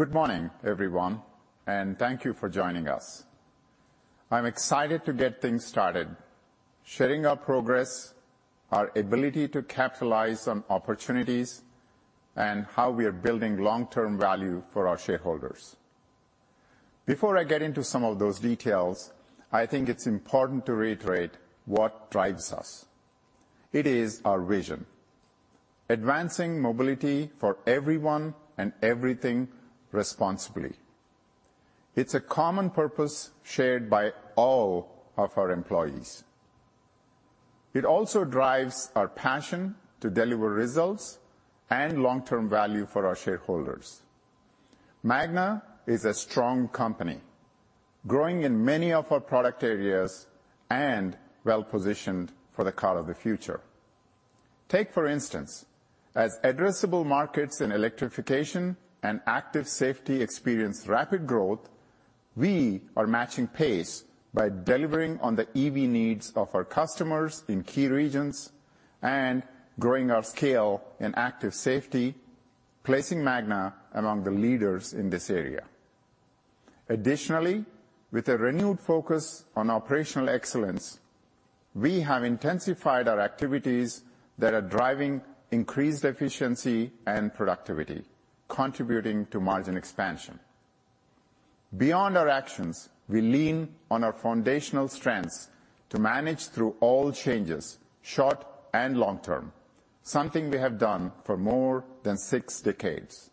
Good morning, everyone, and thank you for joining us. I'm excited to get things started, sharing our progress, our ability to capitalize on opportunities, and how we are building long-term value for our shareholders. Before I get into some of those details, I think it's important to reiterate what drives us. It is our vision: advancing mobility for everyone and everything responsibly. It's a common purpose shared by all of our employees. It also drives our passion to deliver results and long-term value for our shareholders. Magna is a strong company, growing in many of our product areas and well-positioned for the car of the future. Take, for instance, as addressable markets in electrification and active safety experience rapid growth, we are matching pace by delivering on the EV needs of our customers in key regions and growing our scale in active safety, placing Magna among the leaders in this area. Additionally, with a renewed focus on operational excellence, we have intensified our activities that are driving increased efficiency and productivity, contributing to margin expansion. Beyond our actions, we lean on our foundational strengths to manage through all changes, short and long term, something we have done for more than six decades.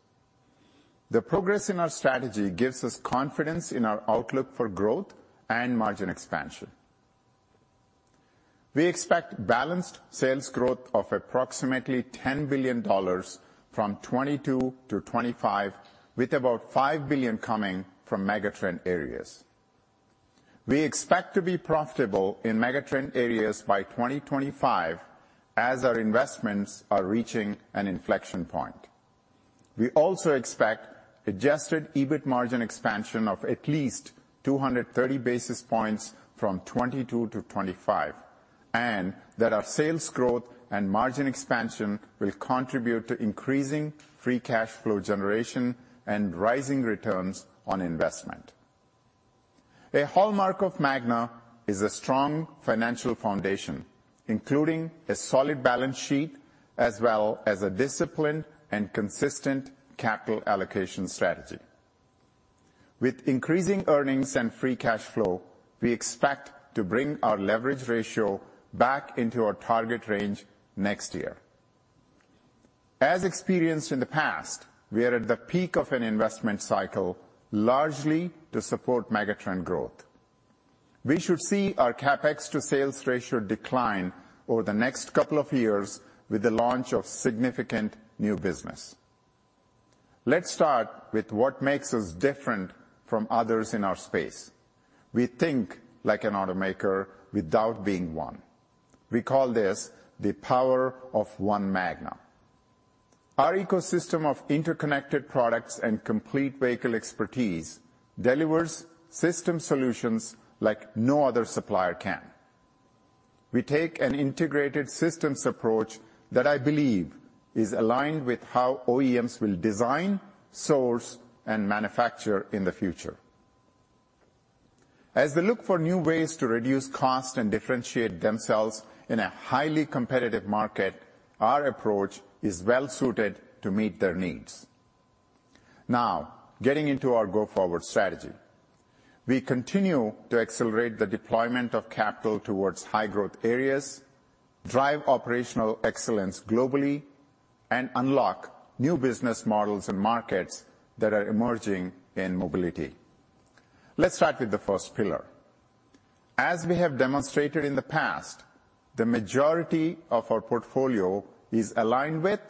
The progress in our strategy gives us confidence in our outlook for growth and margin expansion. We expect balanced sales growth of approximately $10 billion from 2022 to 2025, with about $5 billion coming from megatrend areas. We expect to be profitable in megatrend areas by 2025 as our investments are reaching an inflection point. We also expect adjusted EBIT margin expansion of at least 230 basis points from 2022 to 2025. our sales growth and margin expansion will contribute to increasing free cash flow generation and rising returns on investment. A hallmark of Magna is a strong financial foundation, including a solid balance sheet, as well as a disciplined and consistent capital allocation strategy. With increasing earnings and free cash flow, we expect to bring our leverage ratio back into our target range next year. As experienced in the past, we are at the peak of an investment cycle, largely to support megatrend growth. We should see our CapEx to sales ratio decline over the next couple of years with the launch of significant new business. Let's start with what makes us different from others in our space. We think like an automaker without being one. We call this the power of one Magna. Our ecosystem of interconnected products and complete vehicle expertise delivers system solutions like no other supplier can. We take an integrated systems approach that I believe is aligned with how OEMs will design, source, and manufacture in the future. As they look for new ways to reduce cost and differentiate themselves in a highly competitive market, our approach is well suited to meet their needs. Now, getting into our go-forward strategy. We continue to accelerate the deployment of capital towards high-growth areas, drive operational excellence globally, and unlock new business models and markets that are emerging in mobility. Let's start with the first pillar. As we have demonstrated in the past, the majority of our portfolio is aligned with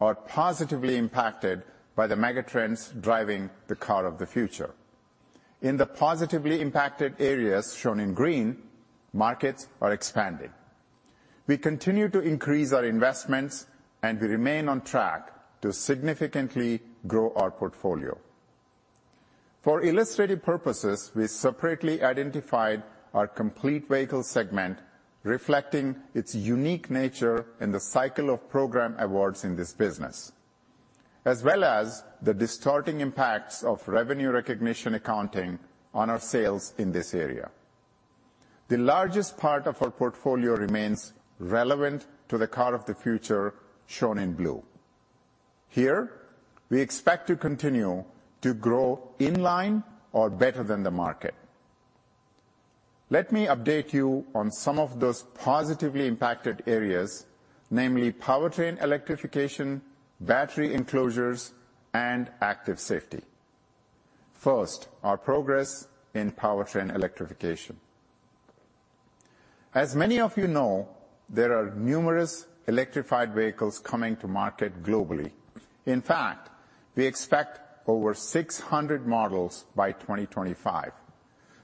or positively impacted by the megatrends driving the car of the future. In the positively impacted areas, shown in green, markets are expanding. We continue to increase our investments, and we remain on track to significantly grow our portfolio. For illustrative purposes, we separately identified our complete vehicle segment, reflecting its unique nature in the cycle of program awards in this business, as well as the distorting impacts of revenue recognition accounting. On our sales in this area. The largest part of our portfolio remains relevant to the car of the future, shown in blue. Here, we expect to continue to grow in line or better than the market. Let me update you on some of those positively impacted areas, namely powertrain electrification, battery enclosures, and active safety. First, our progress in powertrain electrification. As many of there are numerous electrified vehicles coming to market globally. In fact, we expect over 600 models by 2025.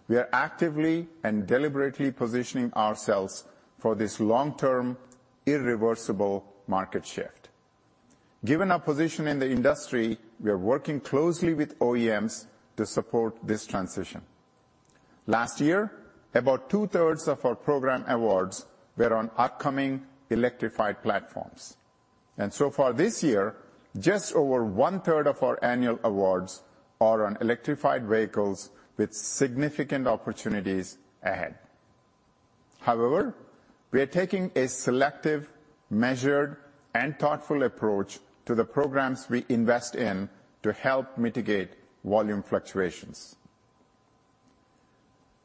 We are actively and deliberately positioning ourselves for this long-term, irreversible market shift. Given our position in the industry, we are working closely with OEMs to support this transition. Last year, about two-thirds of our program awards were on upcoming electrified platforms. So far this year, just over one-third of our annual awards are on electrified vehicles with significant opportunities ahead. However, we are taking a selective, measured, and thoughtful approach to the programs we invest in to help mitigate volume fluctuations.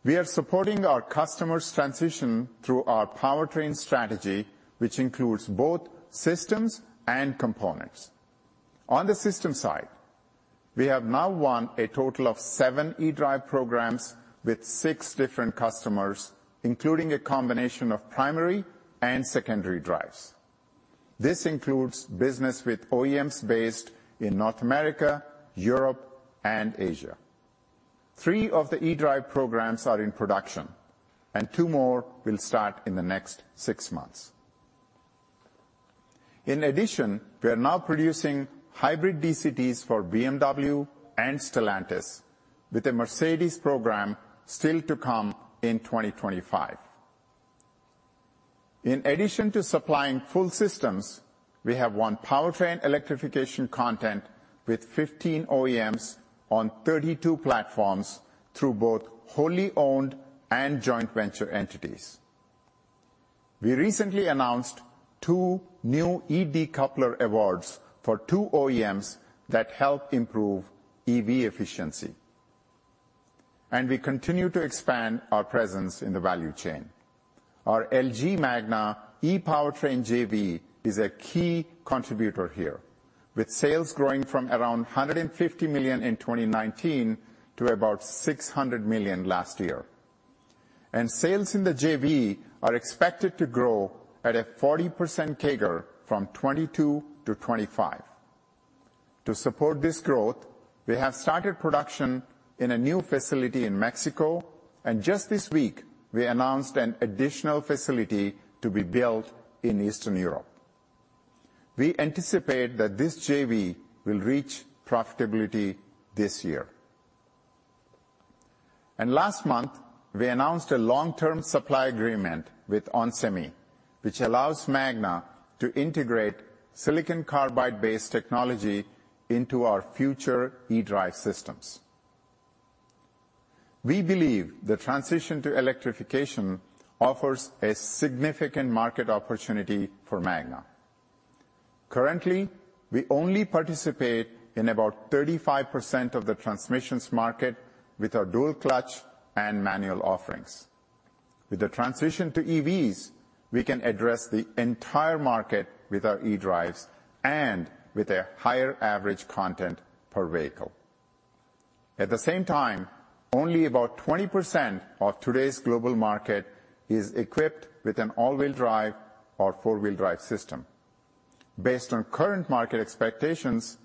We are supporting our customers' transition through our powertrain strategy, which includes both systems and components. On the system side, we have now won a total of 7 eDrive programs with 6 different customers, including a combination of primary and secondary drives. This includes business with OEMs based in North America, Europe, and Asia. Three of the eDrive programs are in production, and two more will start in the next six months. In addition, we are now producing hybrid DCTs for BMW and Stellantis, with a Mercedes program still to come in 2025. In addition to supplying full systems, we have won powertrain electrification content with 15 OEMs on 32 platforms through both wholly owned and joint venture entities. We recently announced two new eDecoupler awards for two OEMs that help improve EV efficiency, and we continue to expand our presence in the value chain. Our LG Magna e-Powertrain JV is a key contributor here, with sales growing from around $150 million in 2019 to about $600 million last year. Sales in the JV are expected to grow at a 40% CAGR from 2022 to 2025. To support this growth, we have started production in a new facility in Mexico, and just this week, we announced an additional facility to be built in Eastern Europe. We anticipate that this JV will reach profitability this year. Last month, we announced a long-term supply agreement with onsemi, which allows Magna to integrate silicon carbide-based technology into our future eDrive systems. We believe the transition to electrification offers a significant market opportunity for Magna. Currently, we only participate in about 35% of the transmissions market with our dual clutch and manual offerings. With the transition to EVs, we can address the entire market with our eDrives and with a higher average content per vehicle. At the same time, only about 20% of today's global market is equipped with an all-wheel drive or four-wheel drive system. Based on current market expectations,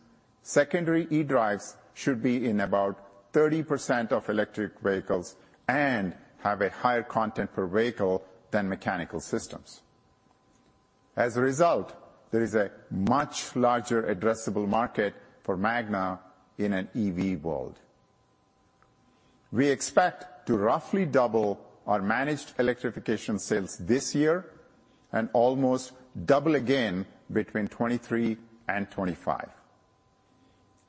secondary eDrives should be in about 30% of electric vehicles and have a higher content per vehicle than mechanical systems. As a result, there is a much larger addressable market for Magna in an EV world. We expect to roughly double our managed electrification sales this year and almost double again between 2023 and 2025.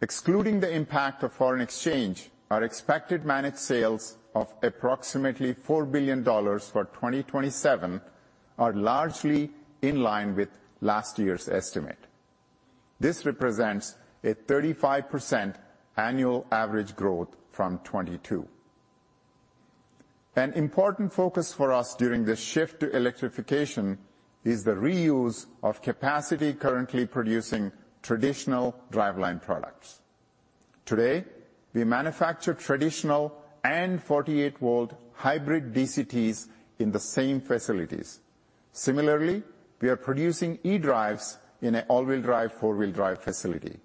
Excluding the impact of foreign exchange, our expected managed sales of approximately $4 billion for 2027 are largely in line with last year's estimate. This represents a 35% annual average growth from 2022. An important focus for us during this shift to electrification is the reuse of capacity currently producing traditional driveline products. Today, we manufacture traditional and 48-volt hybrid DCTs in the same facilities. Similarly, we are producing eDrives in an all-wheel drive, four-wheel drive facility.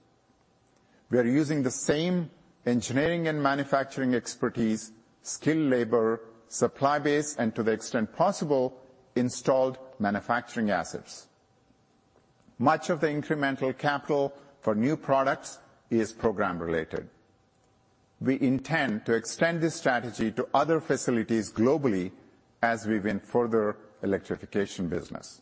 We are using the same engineering and manufacturing expertise, skilled labor, supply base, and to the extent possible, installed manufacturing assets. Much of the incremental capital for new products is program-related. We intend to extend this strategy to other facilities globally as we win further electrification business.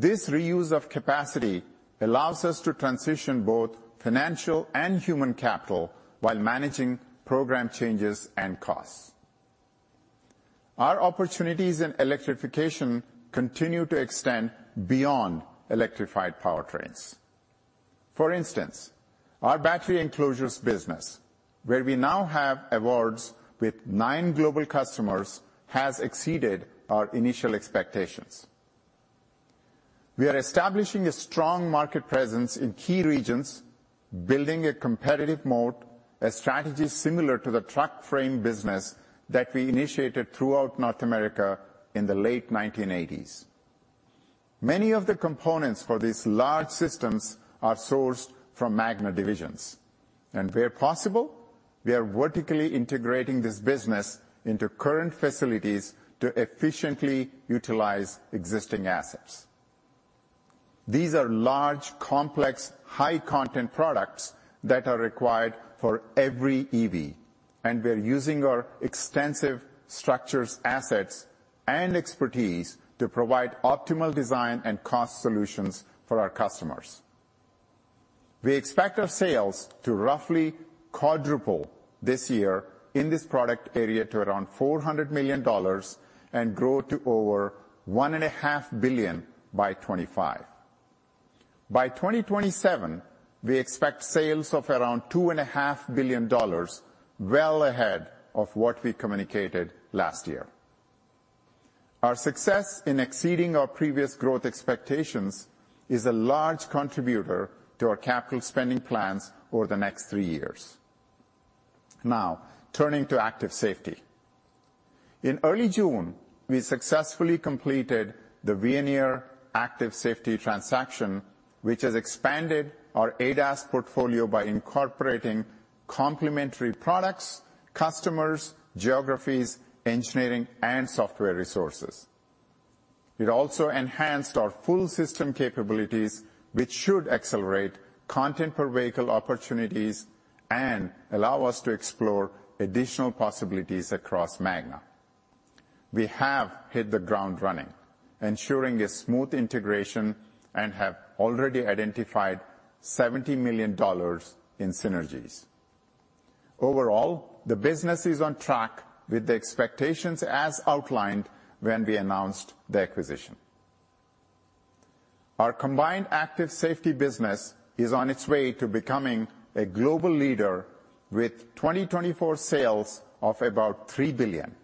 This reuse of capacity allows us to transition both financial and human capital while managing program changes and costs. Our opportunities in electrification continue to extend beyond electrified powertrains. For instance, our battery enclosures business, where we now have awards with 9 global customers, has exceeded our initial expectations. We are establishing a strong market presence in key regions, building a competitive moat, a strategy similar to the truck frame business that we initiated throughout North America in the late 1980s. Many of the components for these large systems are sourced from Magna divisions, and where possible, we are vertically integrating this business into current facilities to efficiently utilize existing assets. These are large, complex, high-content products that are required for every EV, and we're using our extensive structures, assets, and expertise to provide optimal design and cost solutions for our customers. We expect our sales to roughly quadruple this year in this product area to around $400 million, and grow to over $1.5 billion by 2025. By 2027, we expect sales of around $2.5 billion, well ahead of what we communicated last year. Our success in exceeding our previous growth expectations is a large contributor to our capital spending plans over the next three years. Turning to active safety. In early June, we successfully completed the Veoneer active safety transaction, which has expanded our ADAS portfolio by incorporating complementary products, customers, geographies, engineering, and software resources. It also enhanced our full system capabilities, which should accelerate content per vehicle opportunities and allow us to explore additional possibilities across Magna. We have hit the ground running, ensuring a smooth integration, and have already identified $70 million in synergies. Overall, the business is on track with the expectations as outlined when we announced the acquisition. Our combined active safety business is on its way to becoming a global leader with 2024 sales of about $3 billion,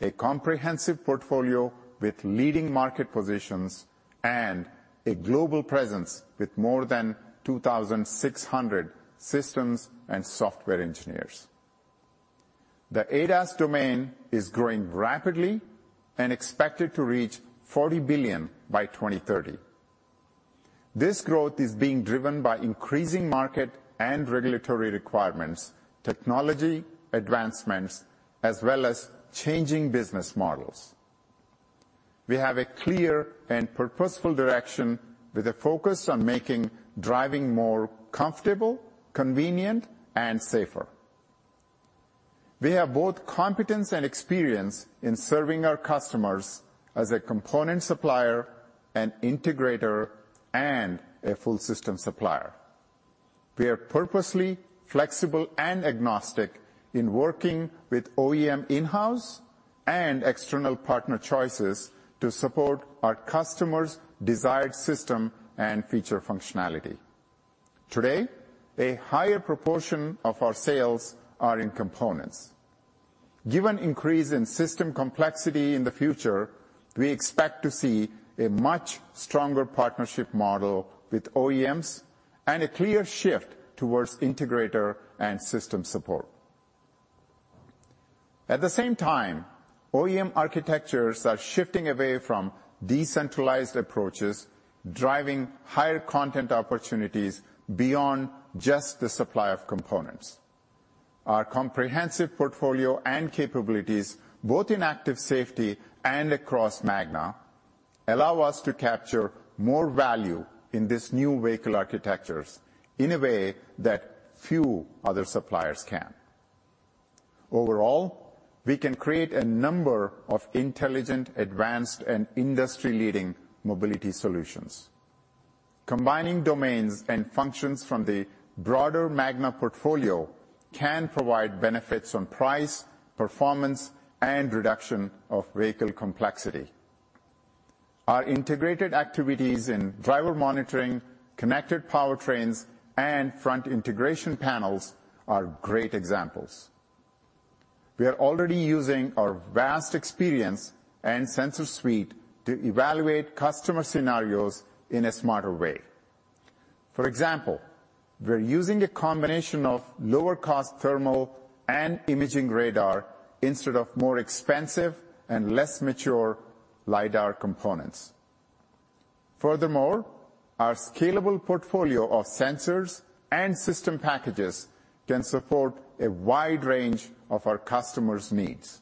a comprehensive portfolio with leading market positions, and a global presence with more than 2,600 systems and software engineers. The ADAS domain is growing rapidly and expected to reach $40 billion by 2030. This growth is being driven by increasing market and regulatory requirements, technology advancements, as well as changing business models. We have a clear and purposeful direction with a focus on making driving more comfortable, convenient, and safer. We have both competence and experience in serving our customers as a component supplier, an integrator, and a full system supplier. We are purposely flexible and agnostic in working with OEM in-house and external partner choices to support our customers' desired system and feature functionality. Today, a higher proportion of our sales are in components. Given increase in system complexity in the future, we expect to see a much stronger partnership model with OEMs and a clear shift towards integrator and system support. At the same time, OEM architectures are shifting away from decentralized approaches, driving higher content opportunities beyond just the supply of components. Our comprehensive portfolio and capabilities, both in active safety and across Magna, allow us to capture more value in this new vehicle architectures in a way that few other suppliers can. Overall, we can create a number of intelligent, advanced, and industry-leading mobility solutions. Combining domains and functions from the broader Magna portfolio can provide benefits on price, performance, and reduction of vehicle complexity. Our integrated activities in driver monitoring, connected powertrains, and front integration panels are great examples. We are already using our vast experience and sensor suite to evaluate customer scenarios in a smarter way. For example, we're using a combination of lower-cost thermal and imaging radar instead of more expensive and less mature LiDAR components. Furthermore, our scalable portfolio of sensors and system packages can support a wide range of our customers' needs.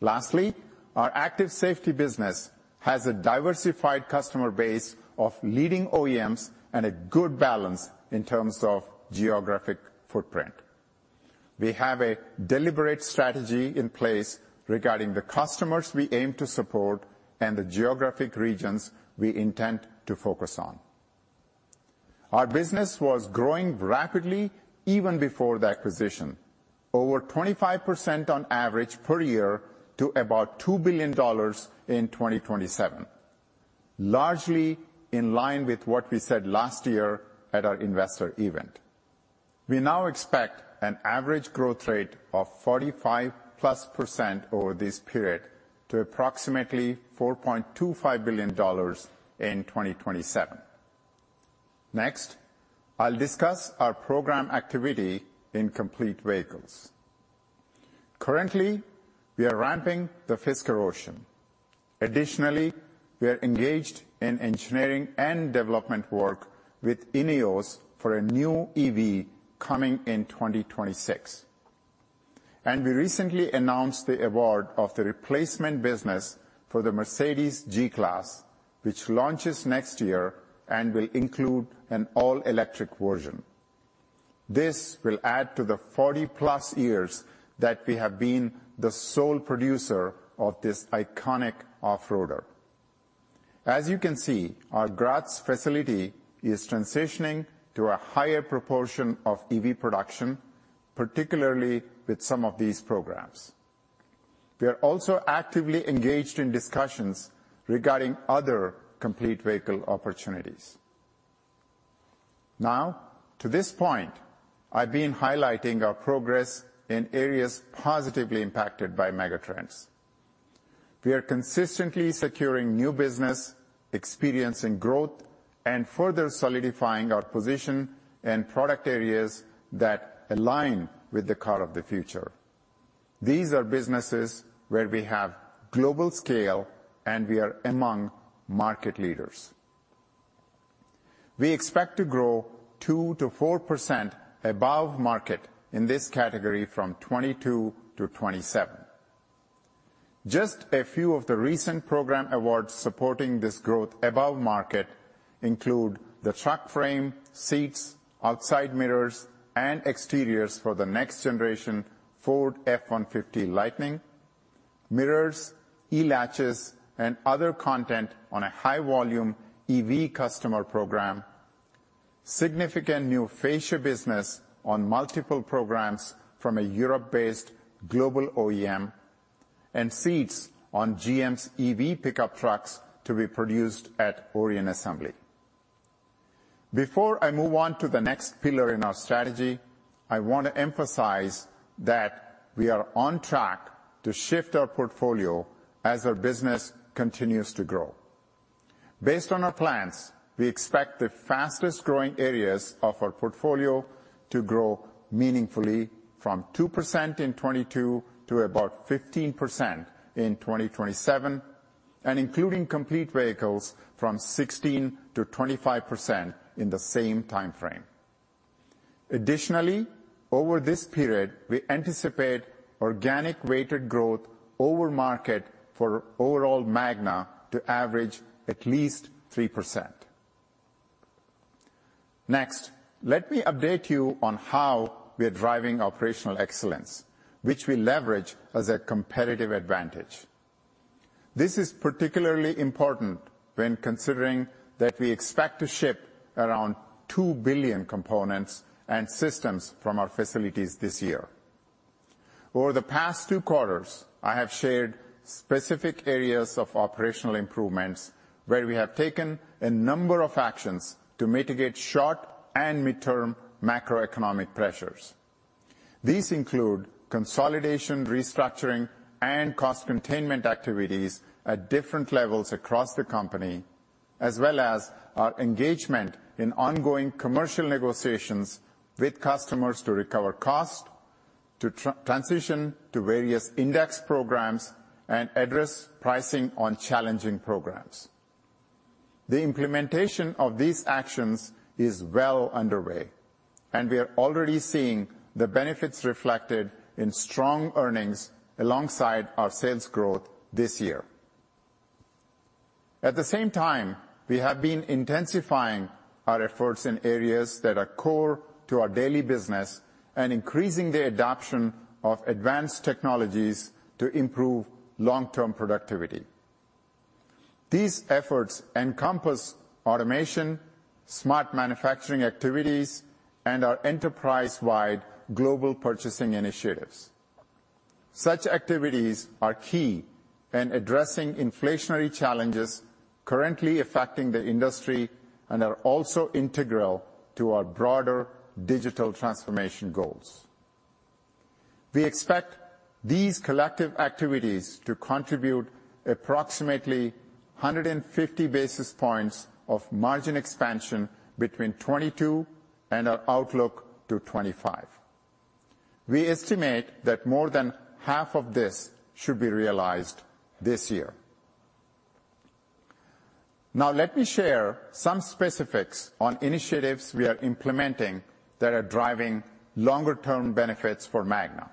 Lastly, our active safety business has a diversified customer base of leading OEMs and a good balance in terms of geographic footprint. We have a deliberate strategy in place regarding the customers we aim to support and the geographic regions we intend to focus on. Our business was growing rapidly even before the acquisition, over 25% on average per year, to about $2 billion in 2027, largely in line with what we said last year at our investor event. We now expect an average growth rate of 45+% over this period, to approximately $4.25 billion in 2027. Next, I'll discuss our program activity in complete vehicles. Currently, we are ramping the Fisker Ocean. Additionally, we are engaged in engineering and development work with INEOS for a new EV coming in 2026, and we recently announced the award of the replacement business for the Mercedes-Benz G-Class, which launches next year and will include an all-electric version. This will add to the 40+ years that we have been the sole producer of this iconic off-roader. As you can see, our Graz facility is transitioning to a higher proportion of EV production, particularly with some of these programs. We are also actively engaged in discussions regarding other complete vehicle opportunities. Now, to this point, I've been highlighting our progress in areas positively impacted by megatrends. We are consistently securing new business, experiencing growth, and further solidifying our position in product areas that align with the car of the future. These are businesses where we have global scale, and we are among market leaders. We expect to grow 2%-4% above market in this category from 2022 to 2027. Just a few of the recent program awards supporting this growth above market include the truck frame, seats, outside mirrors, and exteriors for the next generation Ford F-150 Lightning, mirrors, e-latches, and other content on a high-volume EV customer program, significant new fascia business on multiple programs from a Europe-based global OEM, and seats on GM's EV pickup trucks to be produced at Orion Assembly. Before I move on to the next pillar in our strategy, I want to emphasize that we are on track to shift our portfolio as our business continues to grow. Based on our plans, we expect the fastest-growing areas of our portfolio to grow meaningfully from 2% in 2022 to about 15% in 2027, and including complete vehicles from 16%-25% in the same time frame. Additionally, over this period, we anticipate organic weighted growth over market for overall Magna to average at least 3%. Next, let me update you on how we are driving operational excellence, which we leverage as a competitive advantage. This is particularly important when considering that we expect to ship around 2 billion components and systems from our facilities this year. Over the past two quarters, I have shared specific areas of operational improvements, where we have taken a number of actions to mitigate short- and mid-term macroeconomic pressures. These include consolidation, restructuring, and cost containment activities at different levels across the company, as well as our engagement in ongoing commercial negotiations with customers to recover cost, to transition to various index programs, and address pricing on challenging programs. The implementation of these actions is well underway, and we are already seeing the benefits reflected in strong earnings alongside our sales growth this year. At the same time, we have been intensifying our efforts in areas that are core to our daily business and increasing the adoption of advanced technologies to improve long-term productivity. These efforts encompass automation, smart manufacturing activities, and our enterprise-wide global purchasing initiatives. Such activities are key in addressing inflationary challenges currently affecting the industry and are also integral to our broader digital transformation goals. We expect these collective activities to contribute approximately 150 basis points of margin expansion between 2022 and our outlook to 2025. We estimate that more than half of this should be realized this year. Now, let me share some specifics on initiatives we are implementing that are driving longer-term benefits for Magna.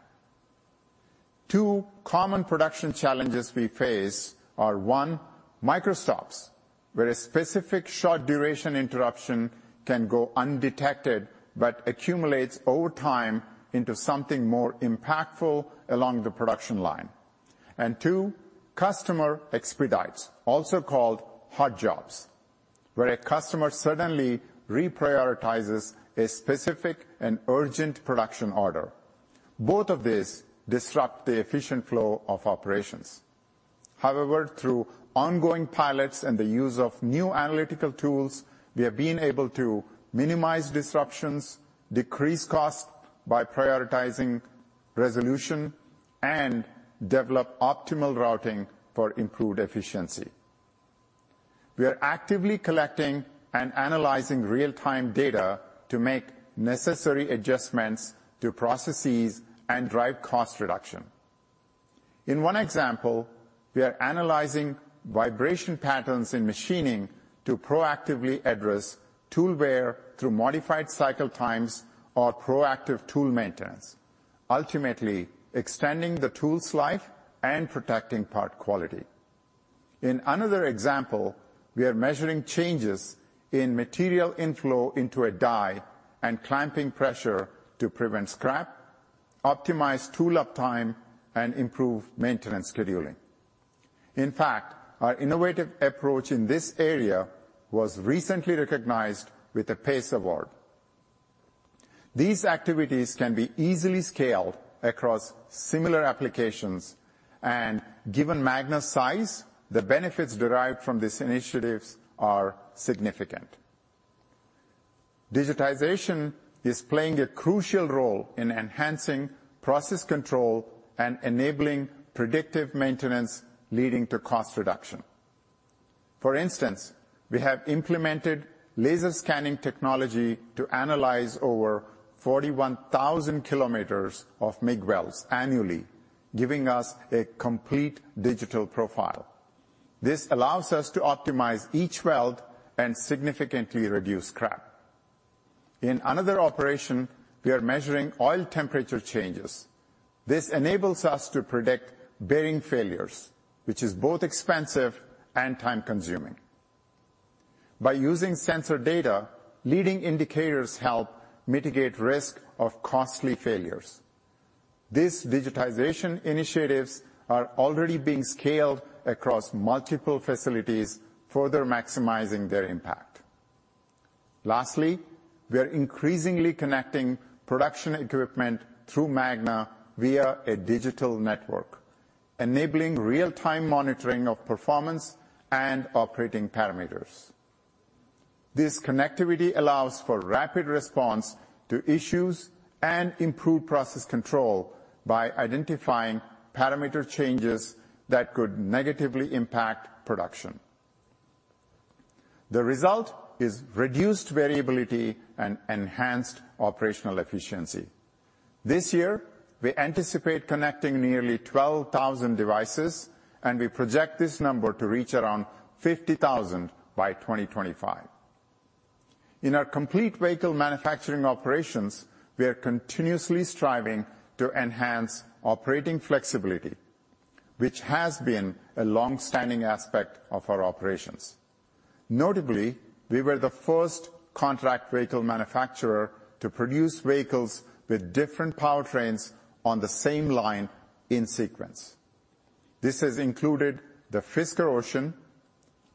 Two common production challenges we face are, one, microstops, where a specific short-duration interruption can go undetected, but accumulates over time into something more impactful along the production line, and two, customer expedites, also called hot jobs, where a customer suddenly reprioritizes a specific and urgent production order. Both of these disrupt the efficient flow of operations. However, through ongoing pilots and the use of new analytical tools, we have been able to minimize disruptions, decrease cost by prioritizing resolution, and develop optimal routing for improved efficiency. We are actively collecting and analyzing real-time data to make necessary adjustments to processes and drive cost reduction. In one example, we are analyzing vibration patterns in machining to proactively address tool wear through modified cycle times or proactive tool maintenance, ultimately extending the tool's life and protecting part quality. In another example, we are measuring changes in material inflow into a die and clamping pressure to prevent scrap, optimize tool uptime, and improve maintenance scheduling. In fact, our innovative approach in this area was recently recognized with a PACE Award. These activities can be easily scaled across similar applications, and given Magna's size, the benefits derived from these initiatives are significant. Digitization is playing a crucial role in enhancing process control and enabling predictive maintenance, leading to cost reduction. For instance, we have implemented laser scanning technology to analyze over 41,000 kilometers of MIG welds annually, giving us a complete digital profile. This allows us to optimize each weld and significantly reduce scrap. In another operation, we are measuring oil temperature changes. This enables us to predict bearing failures, which is both expensive and time-consuming. By using sensor data, leading indicators help mitigate risk of costly failures. These digitization initiatives are already being scaled across multiple facilities, further maximizing their impact. Lastly, we are increasingly connecting production equipment through Magna via a digital network, enabling real-time monitoring of performance and operating parameters. This connectivity allows for rapid response to issues and improved process control by identifying parameter changes that could negatively impact production. The result is reduced variability and enhanced operational efficiency. This year, we anticipate connecting nearly 12,000 devices, and we project this number to reach around 50,000 by 2025. In our complete vehicle manufacturing operations, we are continuously striving to enhance operating flexibility, which has been a long-standing aspect of our operations. Notably, we were the first contract vehicle manufacturer to produce vehicles with different powertrains on the same line in sequence. This has included the Fisker Ocean,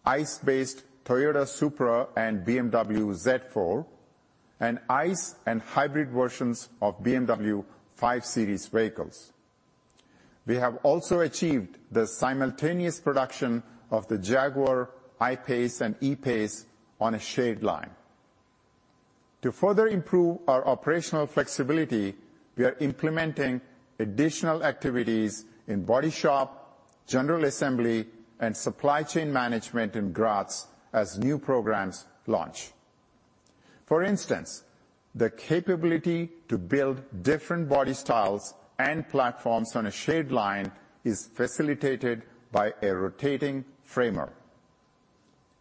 ICE-based Toyota Supra, and BMW Z4, and ICE and hybrid versions of BMW 5 Series vehicles. We have also achieved the simultaneous production of the Jaguar I-PACE and E-PACE on a shared line. To further improve our operational flexibility. we are implementing additional activities in body shop, general assembly, and supply chain management in Graz as new programs launch. For instance, the capability to build different body styles and platforms on a shared line is facilitated by a rotating framer.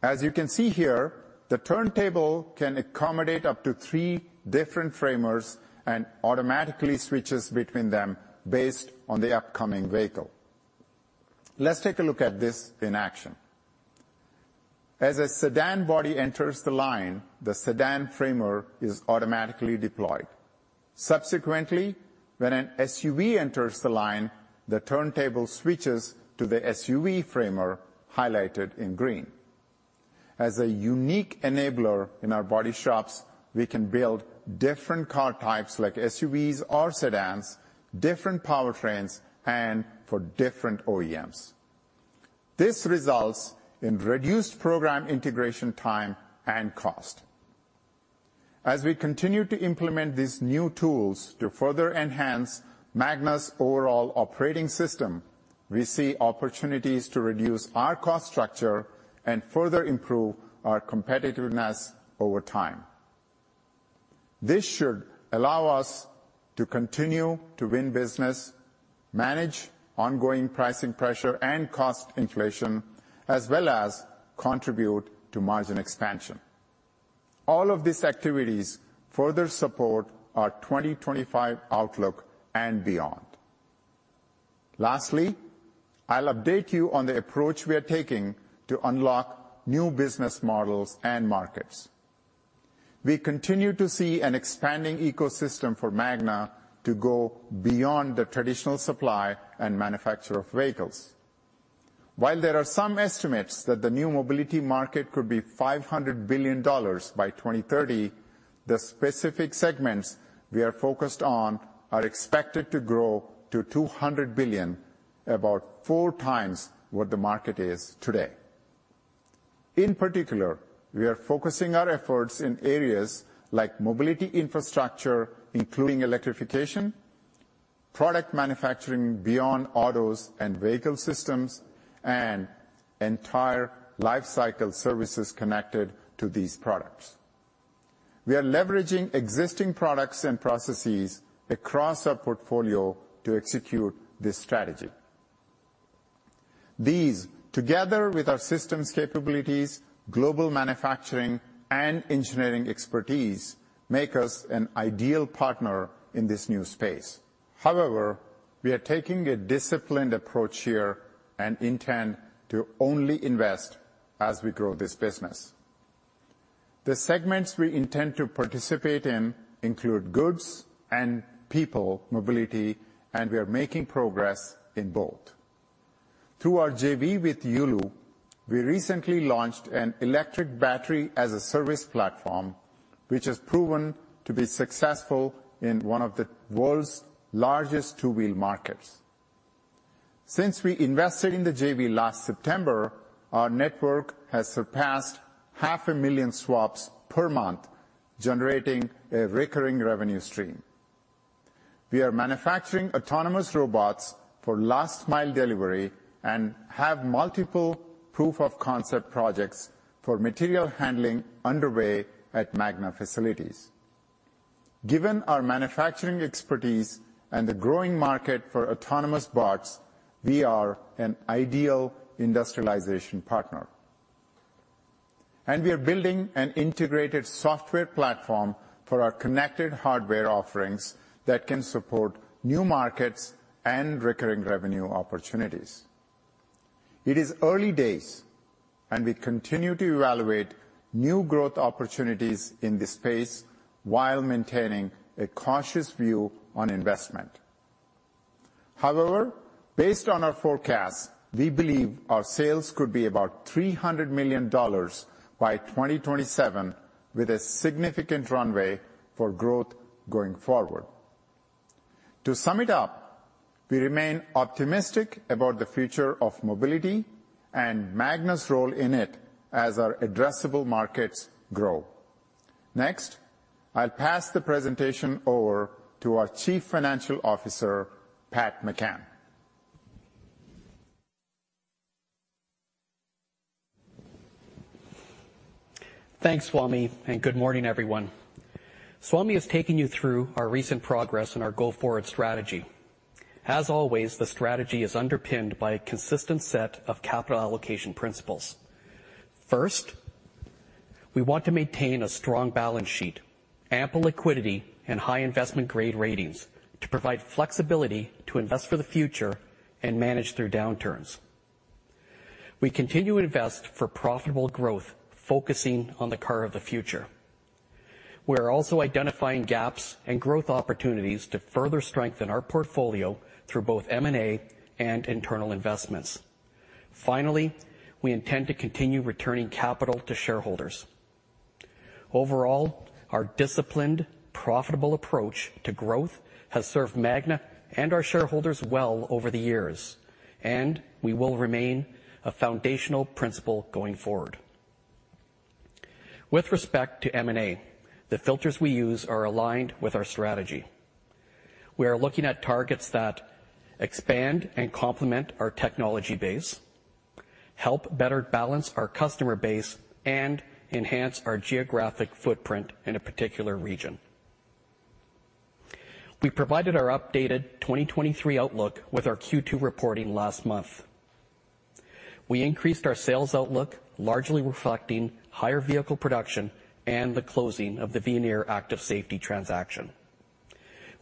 As you can see here, the turntable can accommodate up to three different framers and automatically switches between them based on the upcoming vehicle. Let's take a look at this in action. As a sedan body enters the line, the sedan framer is automatically deployed. Subsequently, when an SUV enters the line, the turntable switches to the SUV framer, highlighted in green. As a unique enabler in our body shops, we can build different car types like SUVs or sedans, different powertrains, and for different OEMs. This results in reduced program integration time and cost. As we continue to implement these new tools to further enhance Magna's overall operating system, we see opportunities to reduce our cost structure and further improve our competitiveness over time. This should allow us to continue to win business, manage ongoing pricing pressure and cost inflation, as well as contribute to margin expansion. All of these activities further support our 2025 outlook and beyond. Lastly, I'll update you on the approach we are taking to unlock new business models and markets. We continue to see an expanding ecosystem for Magna to go beyond the traditional supply and manufacture of vehicles. While there are some estimates that the new mobility market could be $500 billion by 2030, the specific segments we are focused on are expected to grow to $200 billion, about four times what the market is today. In particular, we are focusing our efforts in areas like mobility infrastructure, including electrification, product manufacturing beyond autos and vehicle systems, and entire life cycle services connected to these products. We are leveraging existing products and processes across our portfolio to execute this strategy. These, together with our systems capabilities, global manufacturing, and engineering expertise, make us an ideal partner in this new space. However, we are taking a disciplined approach here and intend to only invest as we grow this business. The segments we intend to participate in include goods and people mobility, and we are making progress in both. Through our JV with Yulu, we recently launched an electric battery-as-a-service platform, which has proven to be successful in one of the world's largest two-wheel markets. Since we invested in the JV last September. Our network has surpassed 500,000 swaps per month, generating a recurring revenue stream. We are manufacturing autonomous robots for last mile delivery and have multiple proof of concept projects for material handling underway at Magna facilities. Given our manufacturing expertise and the growing market for autonomous bots, we are an ideal industrialization partner, and we are building an integrated software platform for our connected hardware offerings that can support new markets and recurring revenue opportunities. It is early days, and we continue to evaluate new growth opportunities in this space while maintaining a cautious view on investment. However, based on our forecast, we believe our sales could be about $300 million by 2027, with a significant runway for growth going forward. To sum it up, we remain optimistic about the future of mobility and Magna's role in it as our addressable markets grow. Next, I'll pass the presentation over to our Chief Financial Officer, Patrick McCann. Thanks, Swamy, and good morning, everyone. Swamy has taken you through our recent progress and our go-forward strategy. As always, the strategy is underpinned by a consistent set of capital allocation principles. First, we want to maintain a strong balance sheet, ample liquidity, and high investment grade ratings to provide flexibility to invest for the future and manage through downturns. We continue to invest for profitable growth, focusing on the car of the future. We are also identifying gaps and growth opportunities to further strengthen our portfolio through both M&A and internal investments. Finally, we intend to continue returning capital to shareholders. Overall, our disciplined, profitable approach to growth has served Magna and our shareholders well over the years, and we will remain a foundational principle going forward. With respect to M&A, the filters we use are aligned with our strategy. We are looking at targets that expand and complement our technology base, help better balance our customer base, and enhance our geographic footprint in a particular region. We provided our updated 2023 outlook with our Q2 reporting last month. We increased our sales outlook, largely reflecting higher vehicle production and the closing of the Veoneer active safety transaction.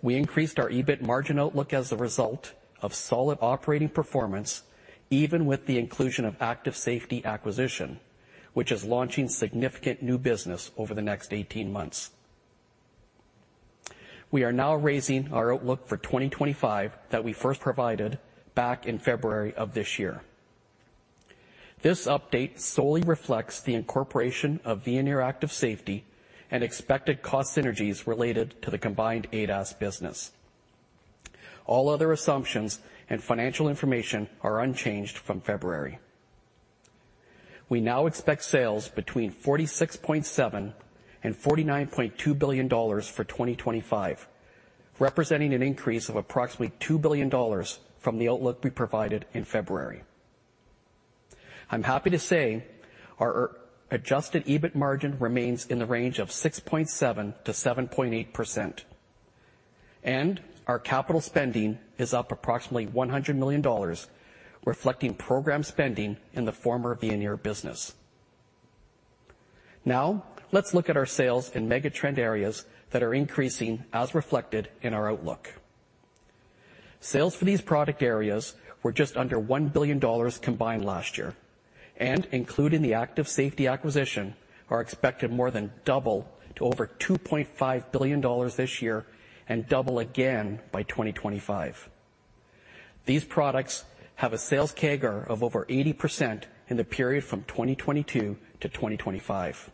We increased our EBIT margin outlook as a result of solid operating performance, even with the inclusion of active safety acquisition, which is launching significant new business over the next 18 months. We are now raising our outlook for 2025 that we first provided back in February of this year. This update solely reflects the incorporation of Veoneer active safety and expected cost synergies related to the combined ADAS business. All other assumptions and financial information are unchanged from February. We now expect sales between $46.7 billion and $49.2 billion for 2025, representing an increase of approximately $2 billion from the outlooK. We provided in February. I'm happy to say our adjusted EBIT margin remains in the range of 6.7%-7.8%, and our capital spending is up approximately $100 million, reflecting program spending in the former Veoneer business. Now, let's look at our sales in megatrend areas that are increasing, as reflected in our outlook. Sales for these product areas were just under $1 billion combined last year, and including the active safety acquisition, are expected more than double to over $2.5 billion this year and double again by 2025. These products have a sales CAGR of over 80% in the period from 2022 to 2025.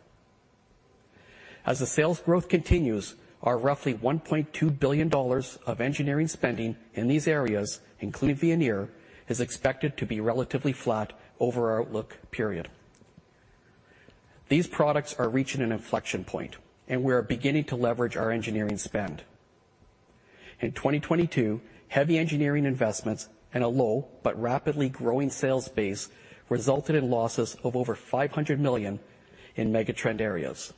As the sales growth continues, our roughly $1.2 billion of engineering spending in these areas, including Veoneer, is expected to be relatively flat over our outlook period. These products are reaching an inflection point, and we are beginning to leverage our engineering spend. In 2022, heavy engineering investments and a low but rapidly growing sales base resulted in losses of over $500 million in megatrend areas.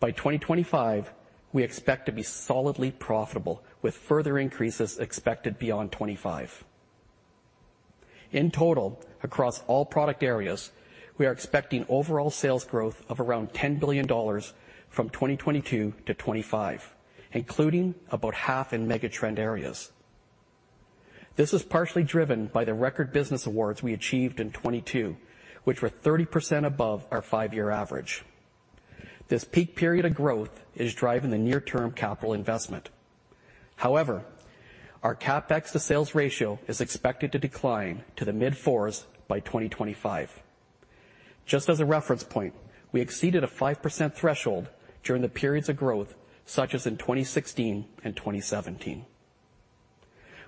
By 2025, we expect to be solidly profitable, with further increases expected beyond 2025. In total, across all product areas, we are expecting overall sales growth of around $10 billion from 2022 to 2025, including about half in megatrend areas. This is partially driven by the record business awards we achieved in 2022, which were 30% above our 5-year average. This peak period of growth is driving the near-term capital investment. However, our CapEx to sales ratio is expected to decline to the mid-fours by 2025. Just as a reference point, we exceeded a 5% threshold during the periods of growth, such as in 2016 and 2017.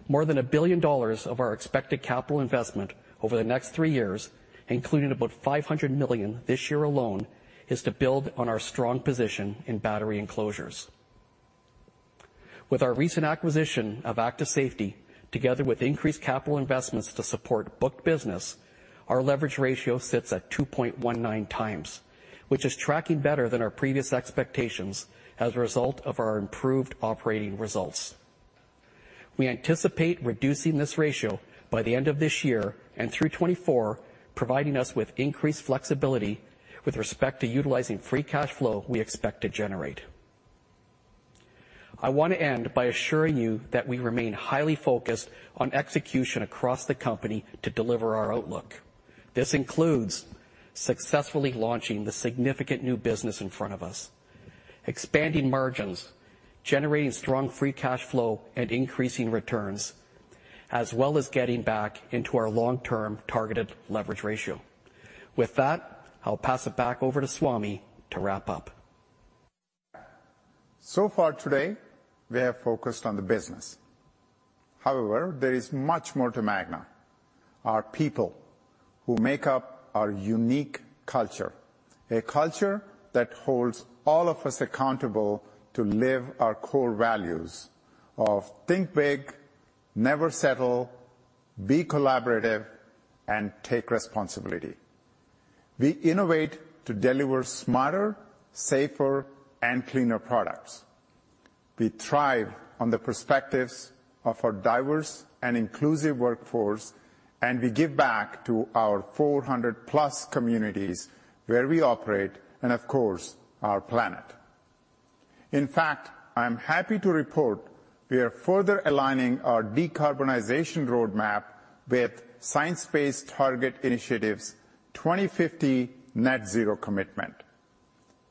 More than $1 billion of our expected capital investment over the next three years, including about $500 million this year alone, is to build on our strong position in battery enclosures. With our recent acquisition of Active Safety, together with increased capital investments to support booked business, our leverage ratio sits at 2.19 times, which is tracking better than our previous expectations as a result of our improved operating results. We anticipate reducing this ratio by the end of this year and through 2024, providing us with increased flexibility with respect to utilizing free cash flow we expect to generate. I want to end by assuring you that we remain highly focused on execution across the company to deliver our outlook. This includes successfully launching the significant new business in front of us, expanding margins, generating strong free cash flow, and increasing returns, as well as getting back into our long-term targeted leverage ratio. With that, I'll pass it back over to Swamy to wrap up. So far today, we have focused on the business. However, there is much more to Magna. Our people, who make up our unique culture, a culture that holds all of us accountable to live our core values of think big, never settle, be collaborative, and take responsibility. We innovate to deliver smarter, safer, and cleaner products. We thrive on the perspectives of our diverse and inclusive workforce, and we give back to our 400-plus communities where we operate and, of course, our planet. In fact, I am happy to report we are further aligning our decarbonization roadmap with Science Based Targets initiative 2050 net zero commitment.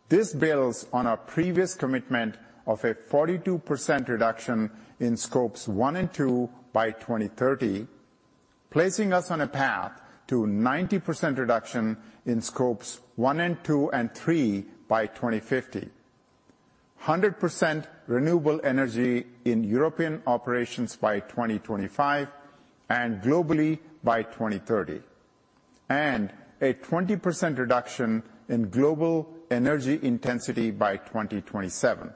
This builds on our previous commitment of a 42% reduction in Scope 1 and 2 by 2030, placing us on a path to 90% reduction in Scope 1 and 2 and 3 by 2050, 100% renewable energy in European operations by 2025, and globally by 2030, and a 20% reduction in global energy intensity by 2027.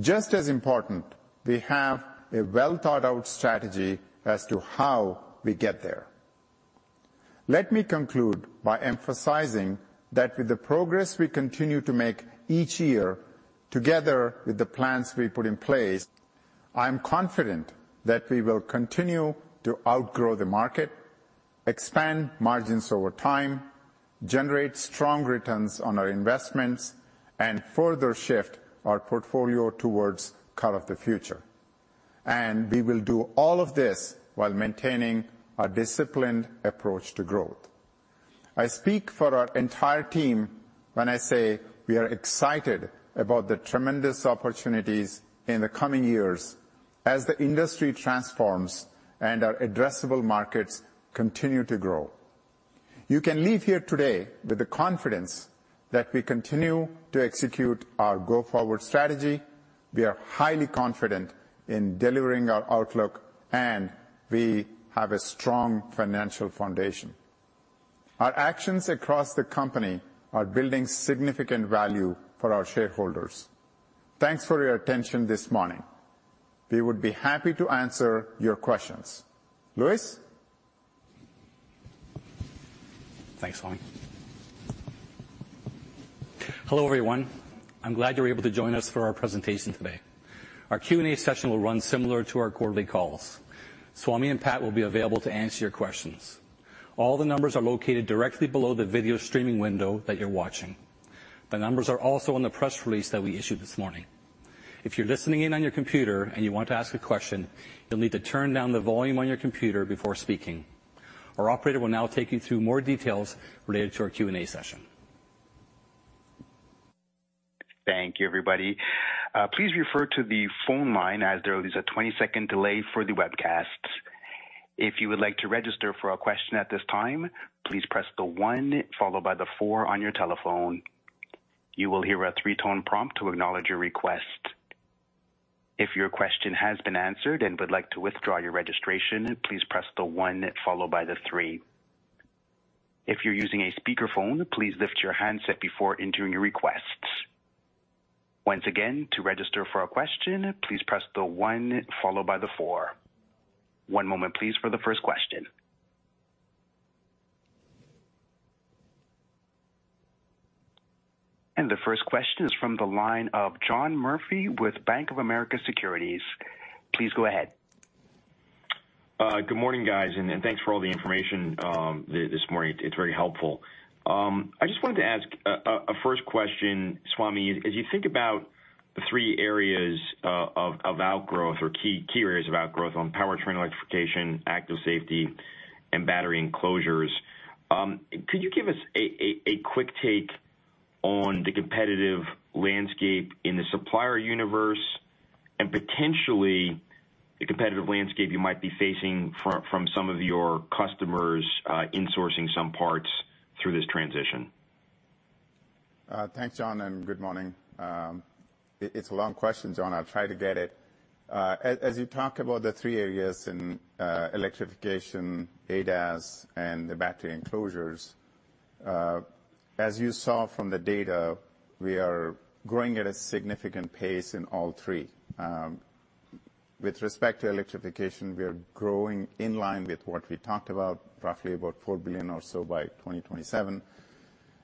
Just as important, we have a well-thought-out strategy as to how we get there. Let me conclude by emphasizing that with the progress we continue to make each year, together with the plans we put in place, I am confident that we will continue to outgrow the market, expand margins over time, generate strong returns on our investments, and further shift our portfolio towards Car of the Future. we will do all of this while maintaining a disciplined approach to growth. I speak for our entire team when I say we are excited about the tremendous opportunities in the coming years as the industry transforms and our addressable markets continue to grow. You can leave here today with the confidence that we continue to execute our go-forward strategy, we are highly confident in delivering our outlook, and we have a strong financial foundation. Our actions across the company are building significant value for our shareholders. Thanks for your attention this morning. We would be happy to answer your questions. Louis? Thanks, Swamy. Hello, everyone. I'm glad you're able to join us for our presentation today. Our Q&A session will run similar to our quarterly calls. Swamy, and Patrick will be available to answer your questions. All the numbers are located directly below the video streaming window that you're watching. The numbers are also on the press release that we issued this morning. If you're listening in on your computer and you want to ask a question, you'll need to turn down the volume on your computer before speaking. Our operator will now take you through more details related to our Q&A session. Thank you, everybody. Please refer to the phone line, as there is a 20-second delay for the webcast. If you would like to register for a question at this time, please press the one followed by the four on your telephone. You will hear a three-tone prompt to acknowledge your request. If your question has been answered and would like to withdraw your registration, please press the one followed by the three. If you're using a speakerphone, please lift your handset before entering your request. Once again, to register for a question, please press the one followed by the four. One moment, please, for the first question. The first question is from the line of John Murphy with Bank of America Securities. Please go ahead. Good morning, guys, and thanks for all the information this morning. It's very helpful. I just wanted to ask a first question, Swamy. As you think about the three areas of outgrowth or key areas of outgrowth on powertrain electrification, active safety, and battery enclosures, could you give us a quick take on the competitive landscape in the supplier universe and potentially the competitive landscape you might be facing from some of your customers insourcing some parts through this transition? Thanks, John, and good morning. It's a long question, John. I'll try to get it. As you talk about the three areas in electrification, ADAS, and the battery enclosures, as you saw from the data, we are growing at a significant pace in all three. With respect to electrification, we are growing in line with what we talked about, roughly about $4 billion or so by 2027.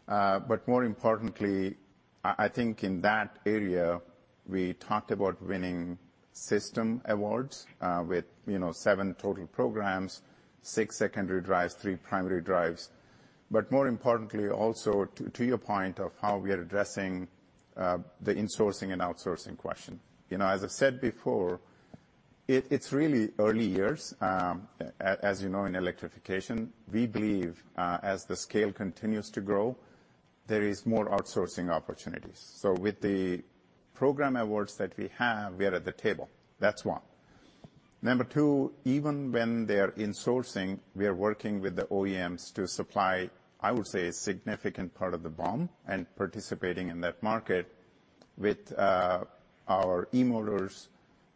But more importantly, I think in that area, we talked about winning system awards with, Swamy 7 total programs, 6 secondary drives, 3 primary drives, but more importantly, also to your point of how we are addressing the insourcing and outsourcing question. Swamy as I've said before, it's really early years, as Swamy in electrification. We believe, as the scale continues to grow, there is more outsourcing opportunities. So with the program awards that we have, we are at the table. That's one. Number two, even when they are insourcing, we are working with the OEMs to supply, I would say, a significant part of the BOM and participating in that market with our e-motors,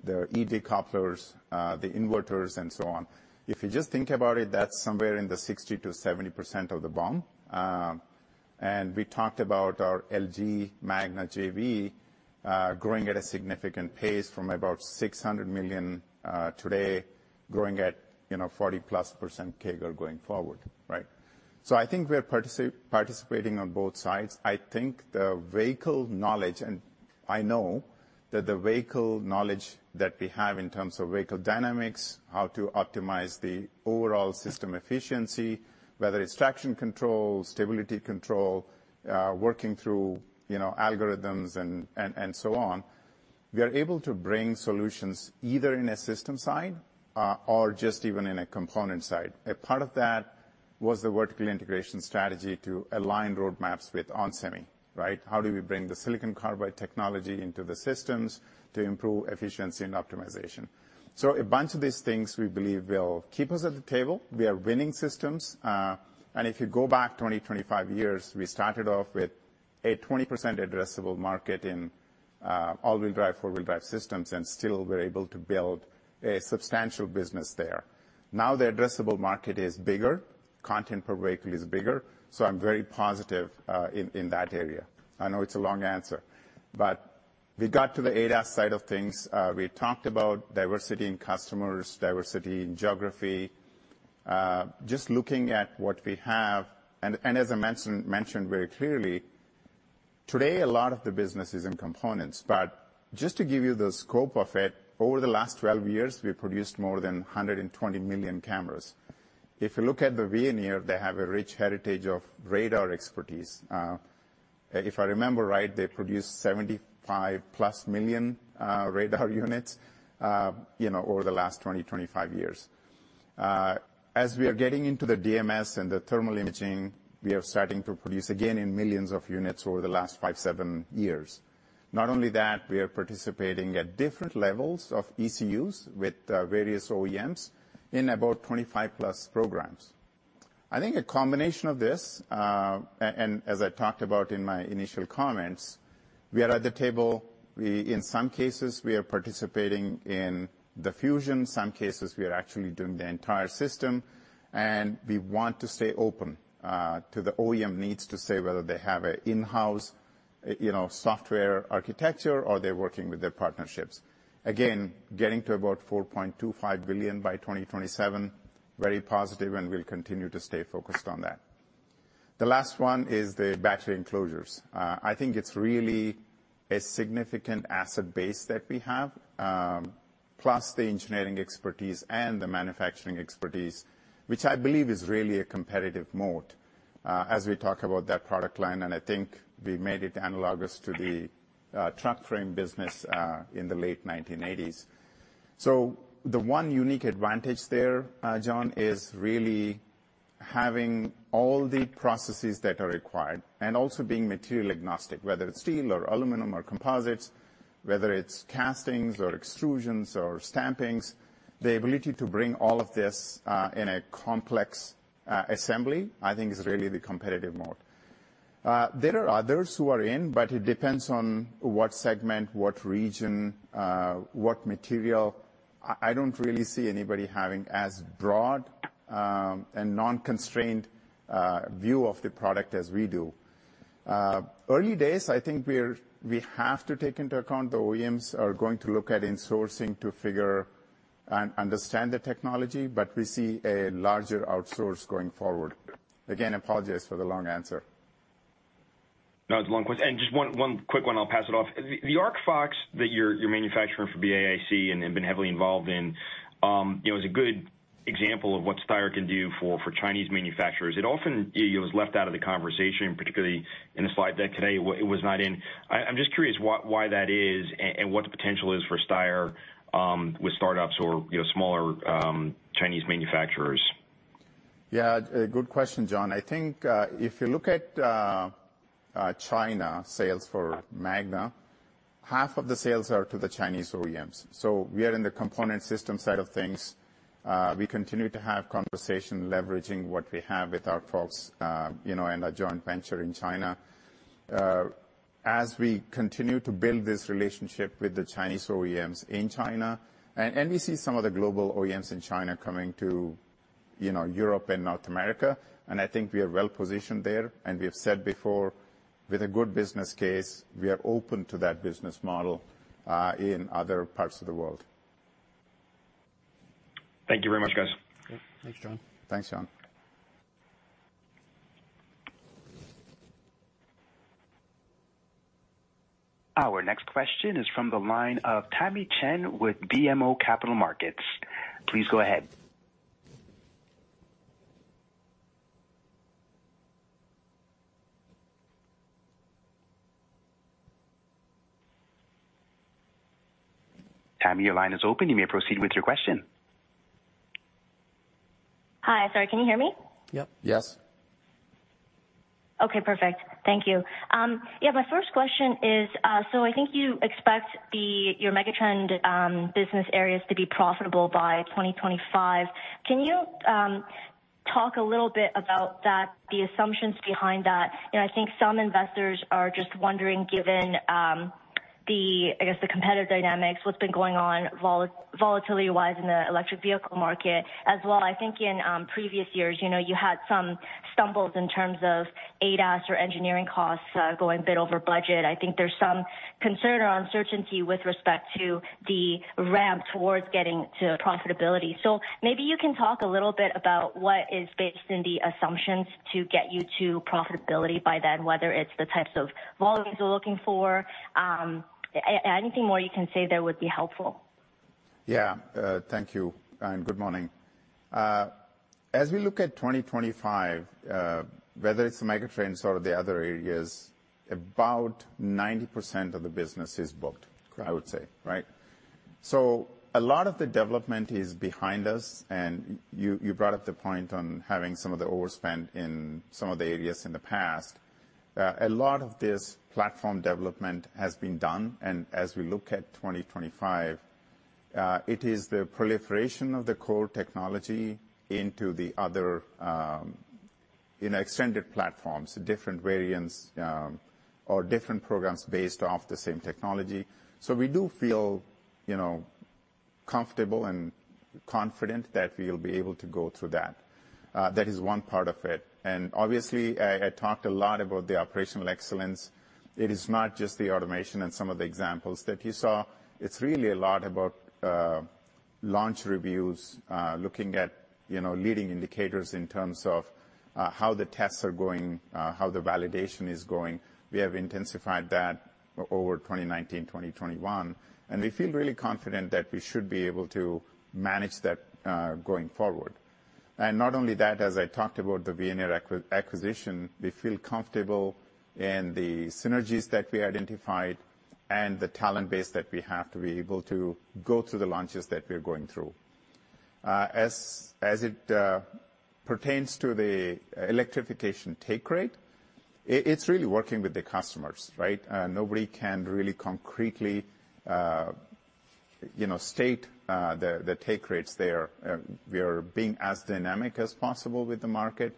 the EV couplers, the inverters, and so on. If you just think about it, that's somewhere in the 60%-70% of the BOM. And we talked about our LG Magna JV growing at a significant pace from about $600 million today, growing at, Swamy 40%+ CAGR going forward, right? So I think we are participating on both sides. I think the vehicle knowledge, and I know that the vehicle knowledge that we have in terms of vehicle dynamics, how to optimize the overall system efficiency, whether it's traction control, stability control, working through, Swamy algorithms and so on, we are able to bring solutions. either in a system side, or just even in a component side. A part of that was the vertical integration strategy to align roadmaps with onsemi, right? How do we bring the silicon carbide technology into the systems to improve efficiency and optimization? So a bunch of these things we believe will keep us at the table. We are winning systems, and if you go back 20-25 years, we started off with a 20% addressable market in, all-wheel drive, four-wheel drive systems, and still were able to build a substantial business there. Now, the addressable market is bigger, content per vehicle is bigger, so I'm very positive in that area. I know it's a long answer. But we got to the ADAS side of things. We talked about diversity in customers, diversity in geography. Just looking at what we have and as I mentioned very clearly, today, a lot of the business is in components, but just to give you the scope of it, over the last 12 years, we've produced more than 120 million cameras. If you look at the Veoneer, they have a rich heritage of radar expertise. If I remember right, they produced 75+ million radar units, Swamy over the last 20-25 years. As we are getting into the DMS and the thermal imaging, we are starting to produce again in millions of units over the last 5-7 years. Not only that, we are participating at different levels of ECUs with various OEMs in about 25+ programs. I think a combination of this, and as I talked about in my initial comments, we are at the table. In some cases, we are participating in the fusion, some cases we are actually doing the entire system, and we want to stay open to the OEM needs to say whether they have an in-house, Swamy software architecture or they're working with their partnerships. Again, getting to about $4.25 billion by 2027, very positive, and we'll continue to stay focused on that. The last one is the battery enclosures. I think it's really a significant asset base that we have, plus the engineering expertise and the manufacturing expertise, which I believe is really a competitive moat, as we talk about that product line, and I think we made it analogous to the truck frame business in the late 1980s. So the one unique advantage there, John, is really having all the processes that are required and also being material agnostic, whether it's steel or aluminum or composites, whether it's castings or extrusions or stampings. The ability to bring all of this in a complex assembly, I think is really the competitive moat. There are others who are in, but it depends on what segment, what region, what material. I don't really see anybody having as broad and non-constrained view of the product as we do. Early days, I think we have to take into account the OEMs are going to look at insourcing to figure and understand the technology, but we see a larger outsource going forward. Again, apologies for the long answer. No, it's a long question. And just one, one quick one, I'll pass it off. The ArcFox that you're, you're manufacturing for BAIC and, and been heavily involved in, Swamy is a good example of what Magna Steyr can do for, for Chinese manufacturers. It often, Swamy is left out of the conversation, particularly in the slide deck today; it was not in I'm just curious why, why that is, and, and what the potential is for Magna Steyr with startups or, Swamy smaller Chinese manufacturers. A good question, John. I think, if you look at China sales for Magna, half of the sales are to the Chinese OEMs. So we are in the component system side of things. We continue to have conversation, leveraging what we have with ArcFox, Swamy and a joint venture in China. As we continue to build this relationship with the Chinese OEMs in China, and we see some of the global OEMs in China coming to, Swamy Europe and North America, and I think we are well positioned there. And we have said before, with a good business case, we are open to that business model, in other parts of the world. Thank you very much, guys. Yep. Thanks, John. Thanks, John. Our next question is from the line of Tamy Chen with BMO Capital Markets. Please go ahead. Tamy, your line is open. You may proceed with your question. Hi. Sorry, can you hear me? Yes. Yes. Okay, perfect. Thank you. My first question is, so I think you expect your megatrend business areas to be profitable by 2025. Can you talk a little bit about that, the assumptions behind that? Swamy I think some investors are just wondering, given the, I guess, the competitive dynamics, what's been going on volatility-wise in the electric vehicle market. As well, I think in previous years, Swamy you had some stumbles in terms of ADAS or engineering costs going a bit over budget. I think there's some concern or uncertainty with respect to the ramp towards getting to profitability. So maybe you can talk a little bit about what is based in the assumptions to get you to profitability by then, whether it's the types of volumes you're looking for. Anything more you can say there would be helpful. Thank you, and good morning. As we look at 2025, whether it's the megatrends or the other areas, about 90% of the business is booked- Correct I would say a lot of the development is behind us. and you brought up the point on having some of the overspend in some of the areas in the past. A lot of this platform development has been done, and as we look at 2025, it is the proliferation of the core technology into the other, Swamy extended platforms, different variants, or different programs based off the same technology. So we do feel, Swamy comfortable and confident that we'll be able to go through that. That is one part of it. And obviously, I talked a lot about the operational excellence. It is not just the automation and some of the examples that you saw. It's really a lot about, launch reviews, looking at, Swamy leading indicators in terms of, how the tests are going, how the validation is going. We have intensified that over 2019, 2021, and we feel really confident that we should be able to manage that, going forward. And not only that, as I talked about the Veoneer acquisition, we feel comfortable in the synergies that we identified and the talent base that we have to be able to go through the launches that we're going through. As it pertains to the electrification take rate, it's really working with the customers, right? Nobody can really concretely, Swamy state, the take rates there. We are being as dynamic as possible with the market.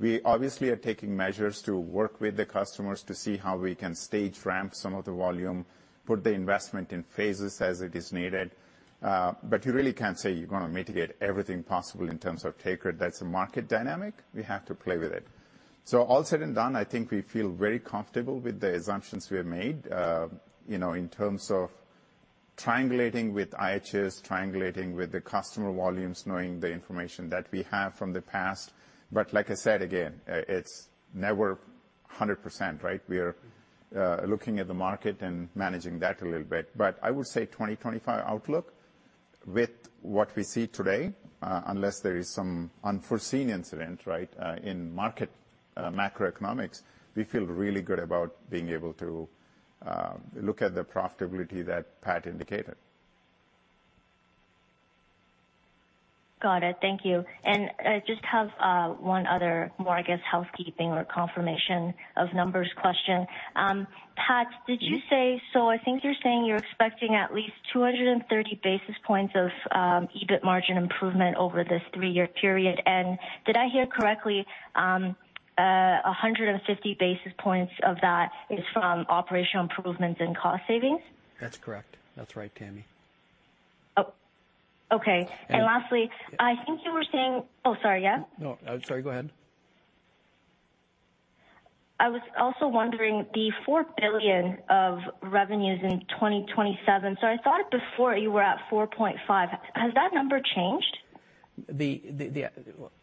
We obviously are taking measures to work with the customers to see how we can stage-ramp some of the volume, put the investment in phases as it is needed, but you really can't say you're gonna mitigate everything possible in terms of take rate. That's a market dynamic. We have to play with it. So all said and done, I think we feel very comfortable with the assumptions we have made, Swamy in terms of triangulating with IHS, triangulating with the customer volumes, knowing the information that we have from the past. But like I said, again, it's never 100%, right? We are looking at the market and managing that a little bit. But I would say 2025 outlook, with what we see today in market macroeconomics, we feel really good about being able to look at the profitability that Patrick indicated. Got it. Thank you. And I just have one other more, I guess, housekeeping or confirmation of numbers question. Patrick, did you say—So I think you're saying you're expecting at least 230 basis points of EBIT margin improvement over this three-year period. And did I hear correctly 150 basis points of that is from operational improvements and cost savings? That's correct. That's right, Tamy. Oh, okay. And Lastly, I think you were saying sorry? No, sorry, go ahead. I was also wondering, the $4 billion of revenues in 2027, so I thought before you were at $4.5 billion. Has that number changed?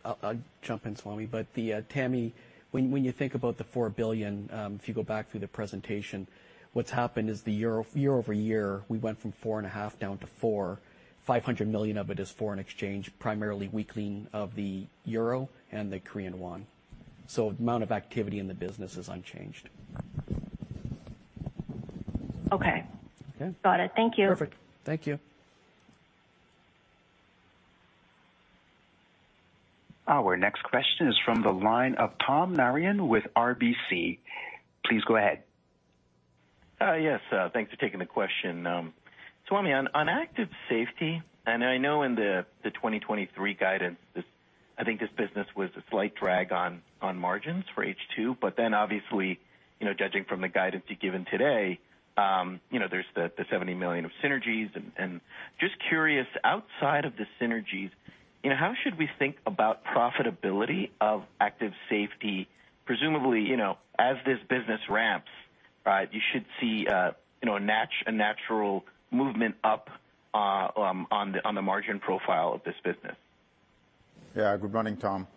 I'll jump in, Swamy, but the Tamy, when you think about the $4 billion, if you go back through the presentation, what's happened is the year-over-year, we went from $4.5 billion down to $4 billion. $500 million of it is foreign exchange, primarily weakening of the euro and the Korean won. So the amount of activity in the business is unchanged. Okay. Okay? Got it. Thank you. Perfect. Thank you. Our next question is from the line of Tom Narayan with RBC. Please go ahead. Yes, thanks for taking the question. Swamy, on Active Safety, and I know in the 2023 guidance, this, I think this business was a slight drag on margins for H2, but then obviously, Swamy judging from the guidance you've given today, Swamy there's the $70 million of synergies and just curious, outside of the synergies, Swamy how should we think about profitability of Active Safety? Presumably, Swamy as this business ramps, right, you should see a natural movement up on the margin profile of this business. Good morning, Tom.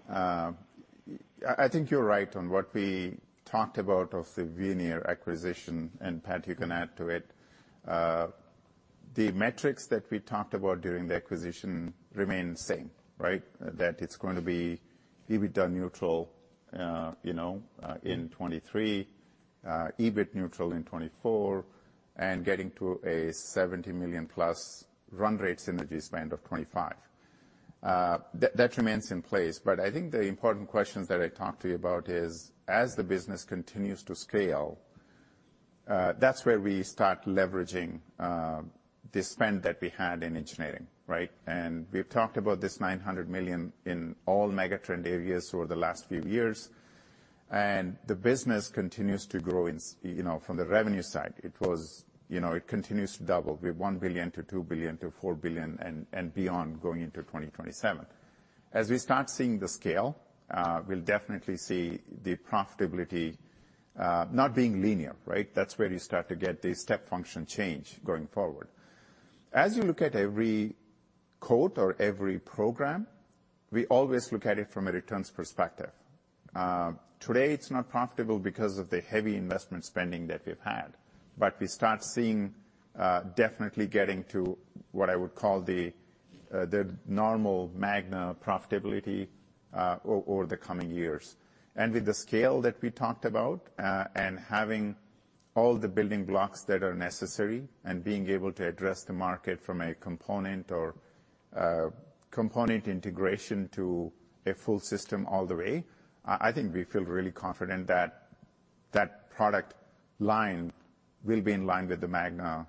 I think you're right on what we talked about of the Veoneer acquisition, and Patrick, you can add to it. The metrics that we talked about during the acquisition remain the same, right? That it's going to be EBITDA neutral, Swamy in 2023, EBIT neutral in 2024, and getting to a $70 million+ run rate synergies by end of 2025. That remains in place, but I think the important questions that I talked to you about is, as the business continues to scale, that's where we start leveraging the spend that we had in engineering, right? And we've talked about this $900 million in all mega trend areas over the last few years, and the business continues to grow, Swamy from the revenue side. It continues to double, from $1 billion to $2 billion to $4 billion and beyond, going into 2027. As we start seeing the scale, we'll definitely see the profitability not being linear, right? That's where you start to get the step function change going forward. As you look at every quote or every program, we always look at it from a returns perspective. Today, it's not profitable because of the heavy investment spending that we've had, but we start seeing definitely getting to what I would call the normal Magna profitability over the coming years. With the scale that we talked about, and having all the building blocks that are necessary and being able to address the market from a component or a component integration to a full system all the way, I think we feel really confident that that product line will be in line with the Magna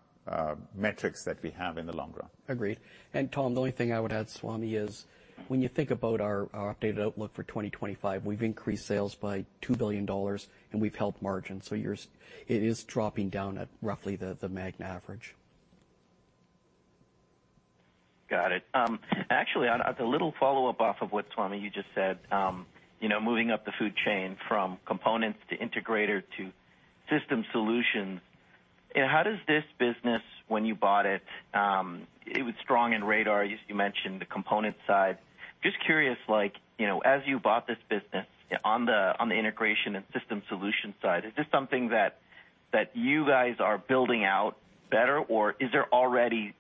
metrics that we have in the long run. Agreed. And Tom, the only thing I would add, Swamy, is when you think about our updated outlook for 2025, we've increased sales by $2 billion, and we've held margins, so yours, it is dropping down at roughly the Magna average. Got it. Actually, on as a little follow-up off of what Swamy you just said, Swamy moving up the food chain from components to integrator to system solutions, and how does this business, when you bought it, it was strong in radar, you mentioned the component side. Just curious, like, Swamy as you bought this business, on the integration and system solution side, is this something that you guys are building out better, or is there already.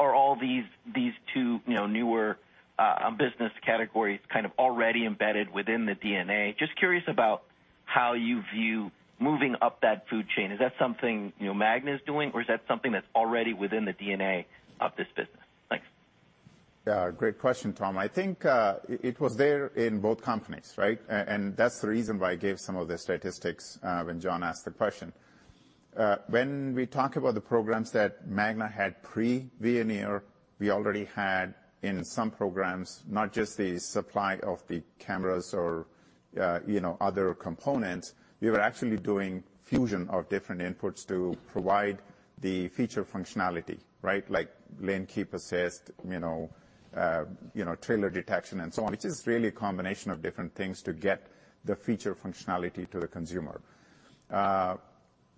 Are all these these two newer business categories kind of already embedded within the DNA? Just curious about how you view moving up that food chain. Is that something, Swamy Magna is doing, or is that something that's already within the DNA of this business? Thanks. Great question, Tom. I think it was there in both companies, right? And that's the reason why I gave some of the statistics when John asked the question. When we talk about the programs that Magna had pre-Veoneer, we already had, in some programs, not just the supply of the cameras or, Swamy other components, we were actually doing fusion of different inputs to provide the feature functionality, right? Like lane keep assist, Swamy trailer detection, and so on, which is really a combination of different things to get the feature functionality to the consumer.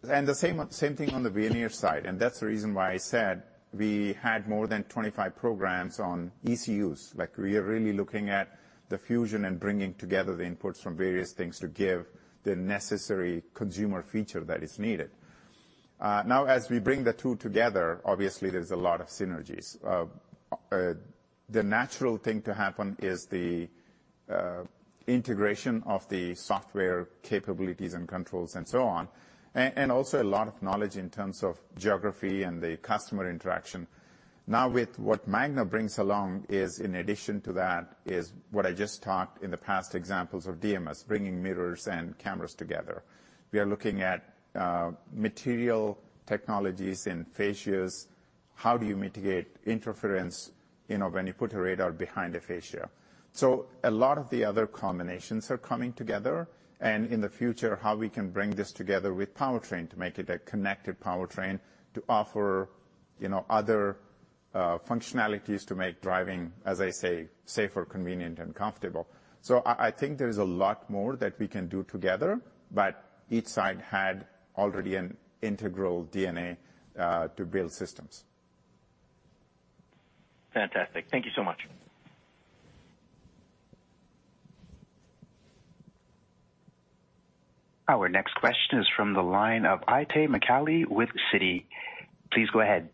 And the same thing on the Veoneer side, and that's the reason why I said we had more than 25 programs on ECUs. Like, we are really looking at the fusion and bringing together the inputs from various things to give the necessary consumer feature that is needed. Now, as we bring the two together, obviously there's a lot of synergies. The natural thing to happen is the integration of the software capabilities and controls and so on, and also a lot of knowledge in terms of geography and the customer interaction. Now, with what Magna brings along is, in addition to that, is what I just talked in the past examples of DMS, bringing mirrors and cameras together. We are looking at material technologies in fascias. how do you mitigate interference, Swamy when you put a radar behind a fascia? So a lot of the other combinations are coming together, and in the future, how we can bring this together with powertrain to make it a connected powertrain to offer, Swamy other functionalities to make driving, as I say, safer, convenient, and comfortable. So I think there is a lot more that we can do together, but each side had already an integral DNA to build systems. Fantastic. Thank you so much. Our next question is from the line of Itay Michaeli with Citi. Please go ahead.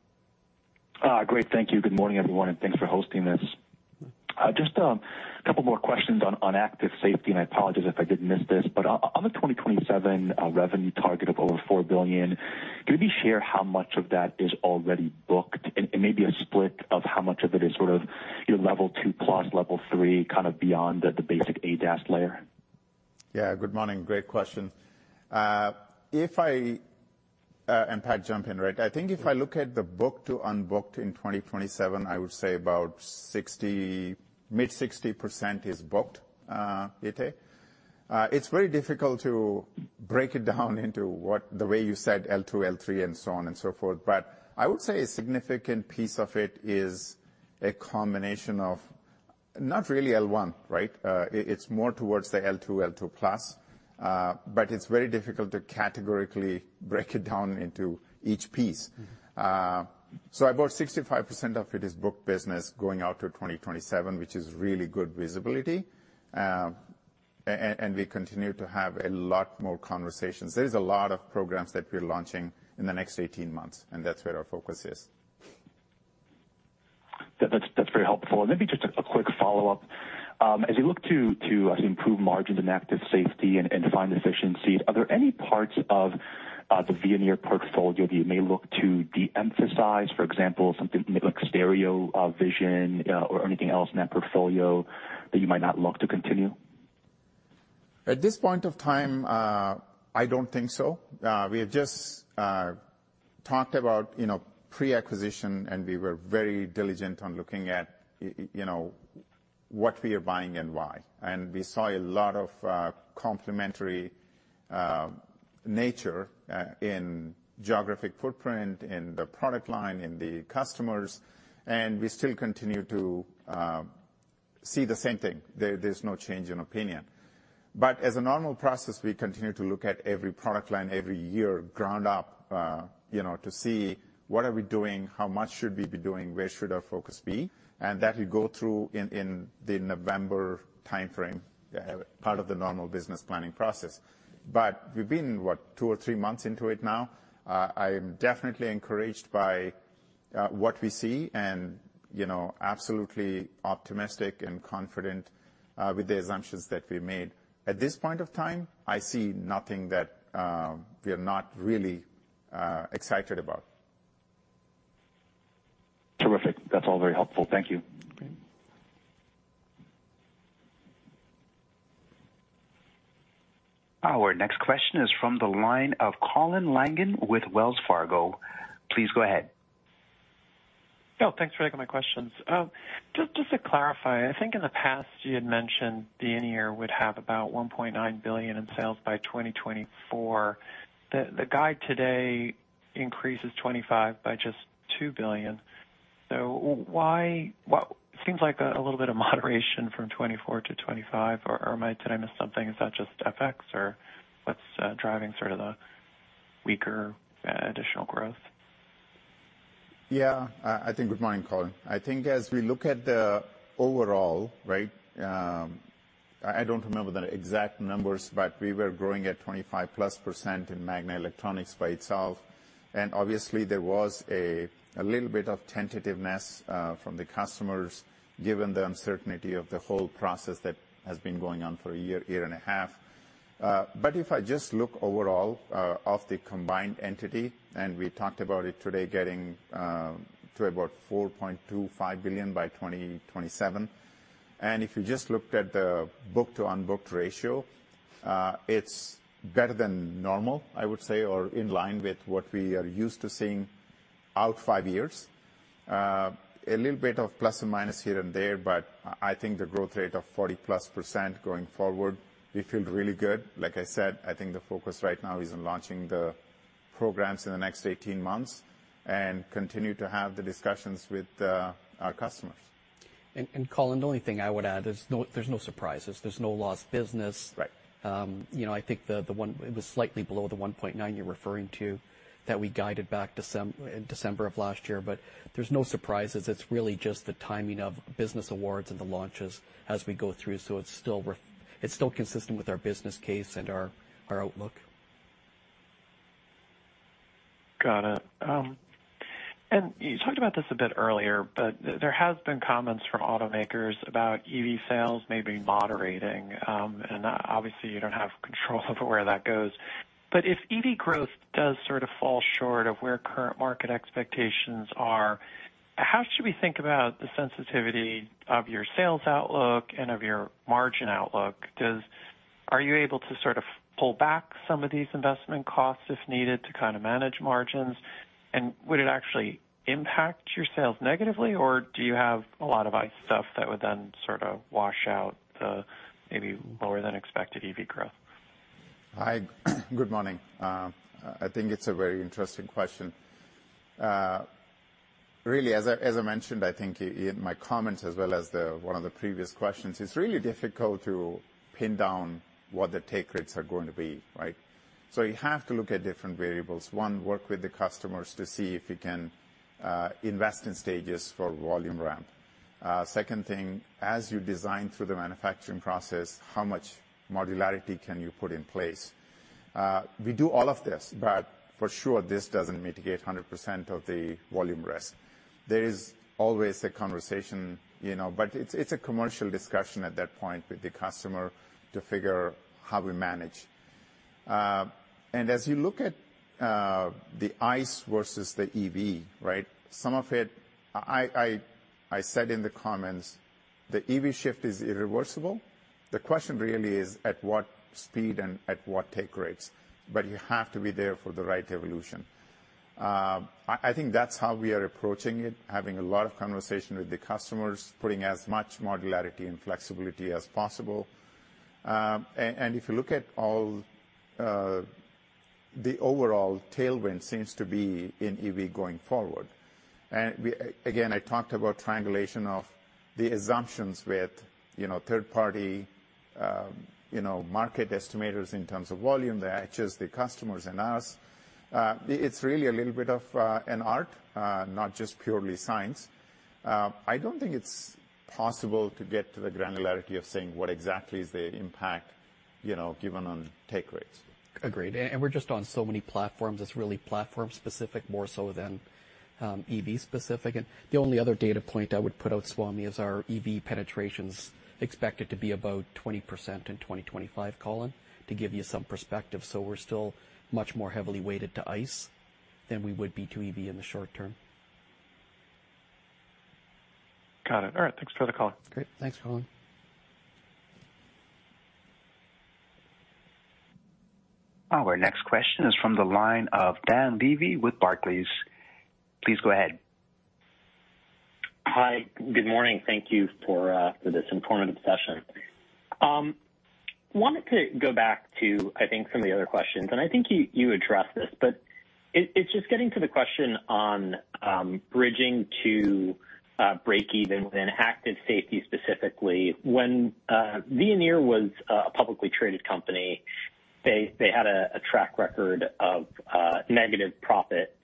Great. Thank you. Good morning, everyone, and thanks for hosting this. Just a couple more questions on active safety, and I apologize if I did miss this. But on the 2027 revenue target of over $4 billion, can you maybe share how much of that is already booked and maybe a split of how much of it is sort of your level two, plus level three, kind of beyond the basic ADAS layer? Good morning. Great question. If I and Patrick, jump in, right? I think if I look at the book to unbooked in 2027, I would say about 60%-mid 60% is booked, Itay. It's very difficult to break it down into what, the way you said, L2, L3, and so on and so forth. But I would say a significant piece of it is a combination of not really L1, right? It's more towards the L2, L2 plus. But it's very difficult to categorically break it down into each piece. So about 65% of it is booked business going out to 2027, which is really good visibility. And we continue to have a lot more conversations. There's a lot of programs that we're launching in the next 18 months, and that's where our focus is. That's very helpful. And maybe just a quick follow-up. As you look to improve margins in active safety and find efficiencies, are there any parts of the Veoneer portfolio that you may look to de-emphasize, for example, something like stereo vision, or anything else in that portfolio that you might not look to continue? At this point of time, I don't think so. We have just talked about, Swamy pre-acquisition, and we were very diligent on looking at, Swamy what we are buying and why. And we saw a lot of complementary nature in geographic footprint, in the product line, in the customers, and we still continue to see the same thing. There's no change in opinion. But as a normal process, we continue to look at every product line every year, ground up, Swamy to see what are we doing, how much should we be doing, where should our focus be? And that we go through in the November timeframe, part of the normal business planning process. But we've been, what? Two or three months into it now. I'm definitely encouraged by what we see, and, Swamy absolutely optimistic and confident with the assumptions that we made. At this point of time, I see nothing that we are not really excited about. Terrific. That's all very helpful. Thank you. Okay. Our next question is from the line of Colin Langan with Wells Fargo. Please go ahead. Oh, thanks for taking my questions. Just, just to clarify, I think in the past, you had mentioned Veoneer would have about $1.9 billion in sales by 2024. The guide today increases 2025 by just $2 billion. So why Well, seems like a little bit of moderation from 2024 to 2025, or, or am I, did I miss something? Is that just FX or what's driving sort of the weaker additional growth? I think, good morning, Colin. I think as we look at the overall, right, I don't remember the exact numbers, but we were growing at 25%+ in Magna Electronics by itself. And obviously, there was a little bit of tentativeness from the customers, given the uncertainty of the whole process that has been going on for a year, year and a half. But if I just look overall of the combined entity, and we talked about it today, getting to about $4.25 billion by 2027, and if you just looked at the book to unbooked ratio, it's better than normal, I would say, or in line with what we are used to seeing out five years. A little bit of plus and minus here and there, but I think the growth rate of 40%+ going forward, we feel really good. Like I said, I think the focus right now is on launching the programs in the next 18 months and continue to have the discussions with our customers. Colin, the only thing I would add, there's no surprises. There's no lost business. Right. I think the one. It was slightly below the 1.9 you're referring to, that we guided back in December of last year, but there's no surprises. It's really just the timing of business awards and the launches as we go through, so it's still consistent with our business case and our outlook. Got it. And you talked about this a bit earlier, but there has been comments from automakers about EV sales may be moderating. And obviously, you don't have control over where that goes. But if EV growth does sort of fall short of where current market expectations are. How should we think about the sensitivity of your sales outlook and of your margin outlook? Are you able to sort of pull back some of these investment costs if needed, to kind of manage margins? And would it actually impact your sales negatively, or do you have a lot of ICE stuff that would then sort of wash out the maybe lower than expected EV growth? Hi. Good morning. I think it's a very interesting question. Really, as I mentioned, I think in my comments, as well as one of the previous questions, it's really difficult to pin down what the take rates are going to be, right? So you have to look at different variables. One, work with the customers to see if you can invest in stages for volume ramp. Second thing, as you design through the manufacturing process, how much modularity can you put in place? We do all of this, but for sure, this doesn't mitigate 100% of the volume risk. There is always a conversation, Swamy but it's a commercial discussion at that point with the customer to figure how we manage. And as you look at the ICE versus the EV, right, some of it I said in the comments, the EV shift is irreversible. The question really is, at what speed and at what take rates, but you have to be there for the right evolution. I think that's how we are approaching it, having a lot of conversation with the customers, putting as much modularity and flexibility as possible. And if you look at all, the overall tailwind seems to be in EV going forward. And we—again, I talked about triangulation of the assumptions with, Swamy third party, Swamy market estimators in terms of volume, the OEMs, the customers, and us. It's really a little bit of an art, not just purely science. I don't think it's possible to get to the granularity of saying what exactly is the impact, Swamy given on take rates. Agreed, and, and we're just on so many platforms, it's really platform specific, more so than, EV specific. The only other data point I would put out, Swamy, is our EV penetration's expected to be about 20% in 2025, Colin, to give you some perspective. We're still much more heavily weighted to ICE than we would be to EV in the short term. Got it. All right, thanks for the call. Great. Thanks, Colin. Our next question is from the line of Dan Levy with Barclays. Please go ahead. Hi. Good morning. Thank you for this informative session. Wanted to go back to, I think, some of the other questions, and I think you addressed this, but it's just getting to the question on bridging to breakeven with Active Safety, specifically. When Veoneer was a publicly traded company, they had a track record of negative profit.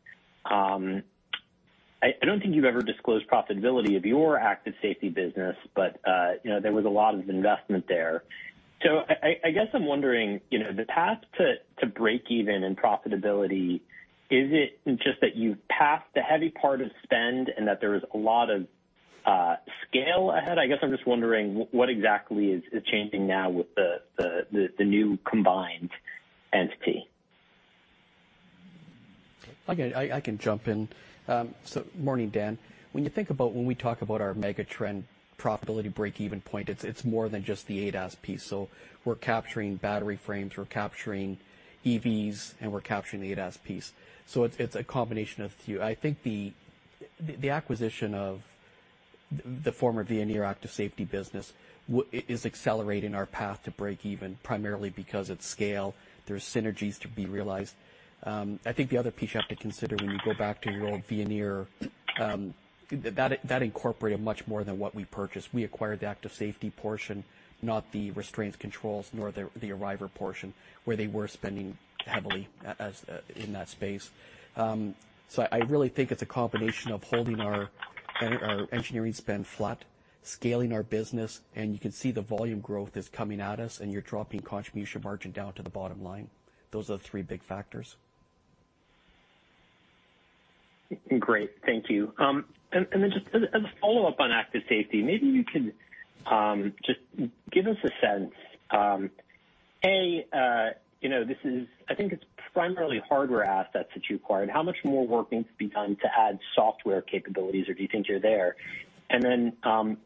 I don't think you've ever disclosed profitability of your Active Safety business, but Swamy there was a lot of investment there. So I guess I'm wondering, Swamy the path to breakeven and profitability, is it just that you've passed the heavy part of spend and that there is a lot of scale ahead? I guess I'm just wondering what exactly is changing now with the new combined entity? I can jump in. Morning, Dan. When you think about, when we talk about our mega trend profitability breakeven point, it's more than just the ADAS piece. We're capturing battery frames, we're capturing EVs, and we're capturing the ADAS piece. It's a combination of a few. I think the acquisition of the former Veoneer active safety business is accelerating our path to breakeven, primarily because it's scale. There's synergies to be realized. I think the other piece you have to consider when you go back to the old Veoneer, that incorporated much more than what we purchased. We acquired the active safety portion, not the restraints controls, nor the Arriver portion, where they were spending heavily in that space. I really think it's a combination of holding our engineering spend flat, scaling our business, and you can see the volume growth is coming at us, and you're dropping contribution margin down to the bottom line. Those are the three big factors. Great. Thank you. And then just as a follow-up on Active Safety, maybe you could just give us a sense. Swamy this is I think it's primarily hardware assets that you acquired. How much more work needs to be done to add software capabilities, or do you think you're there? And then, how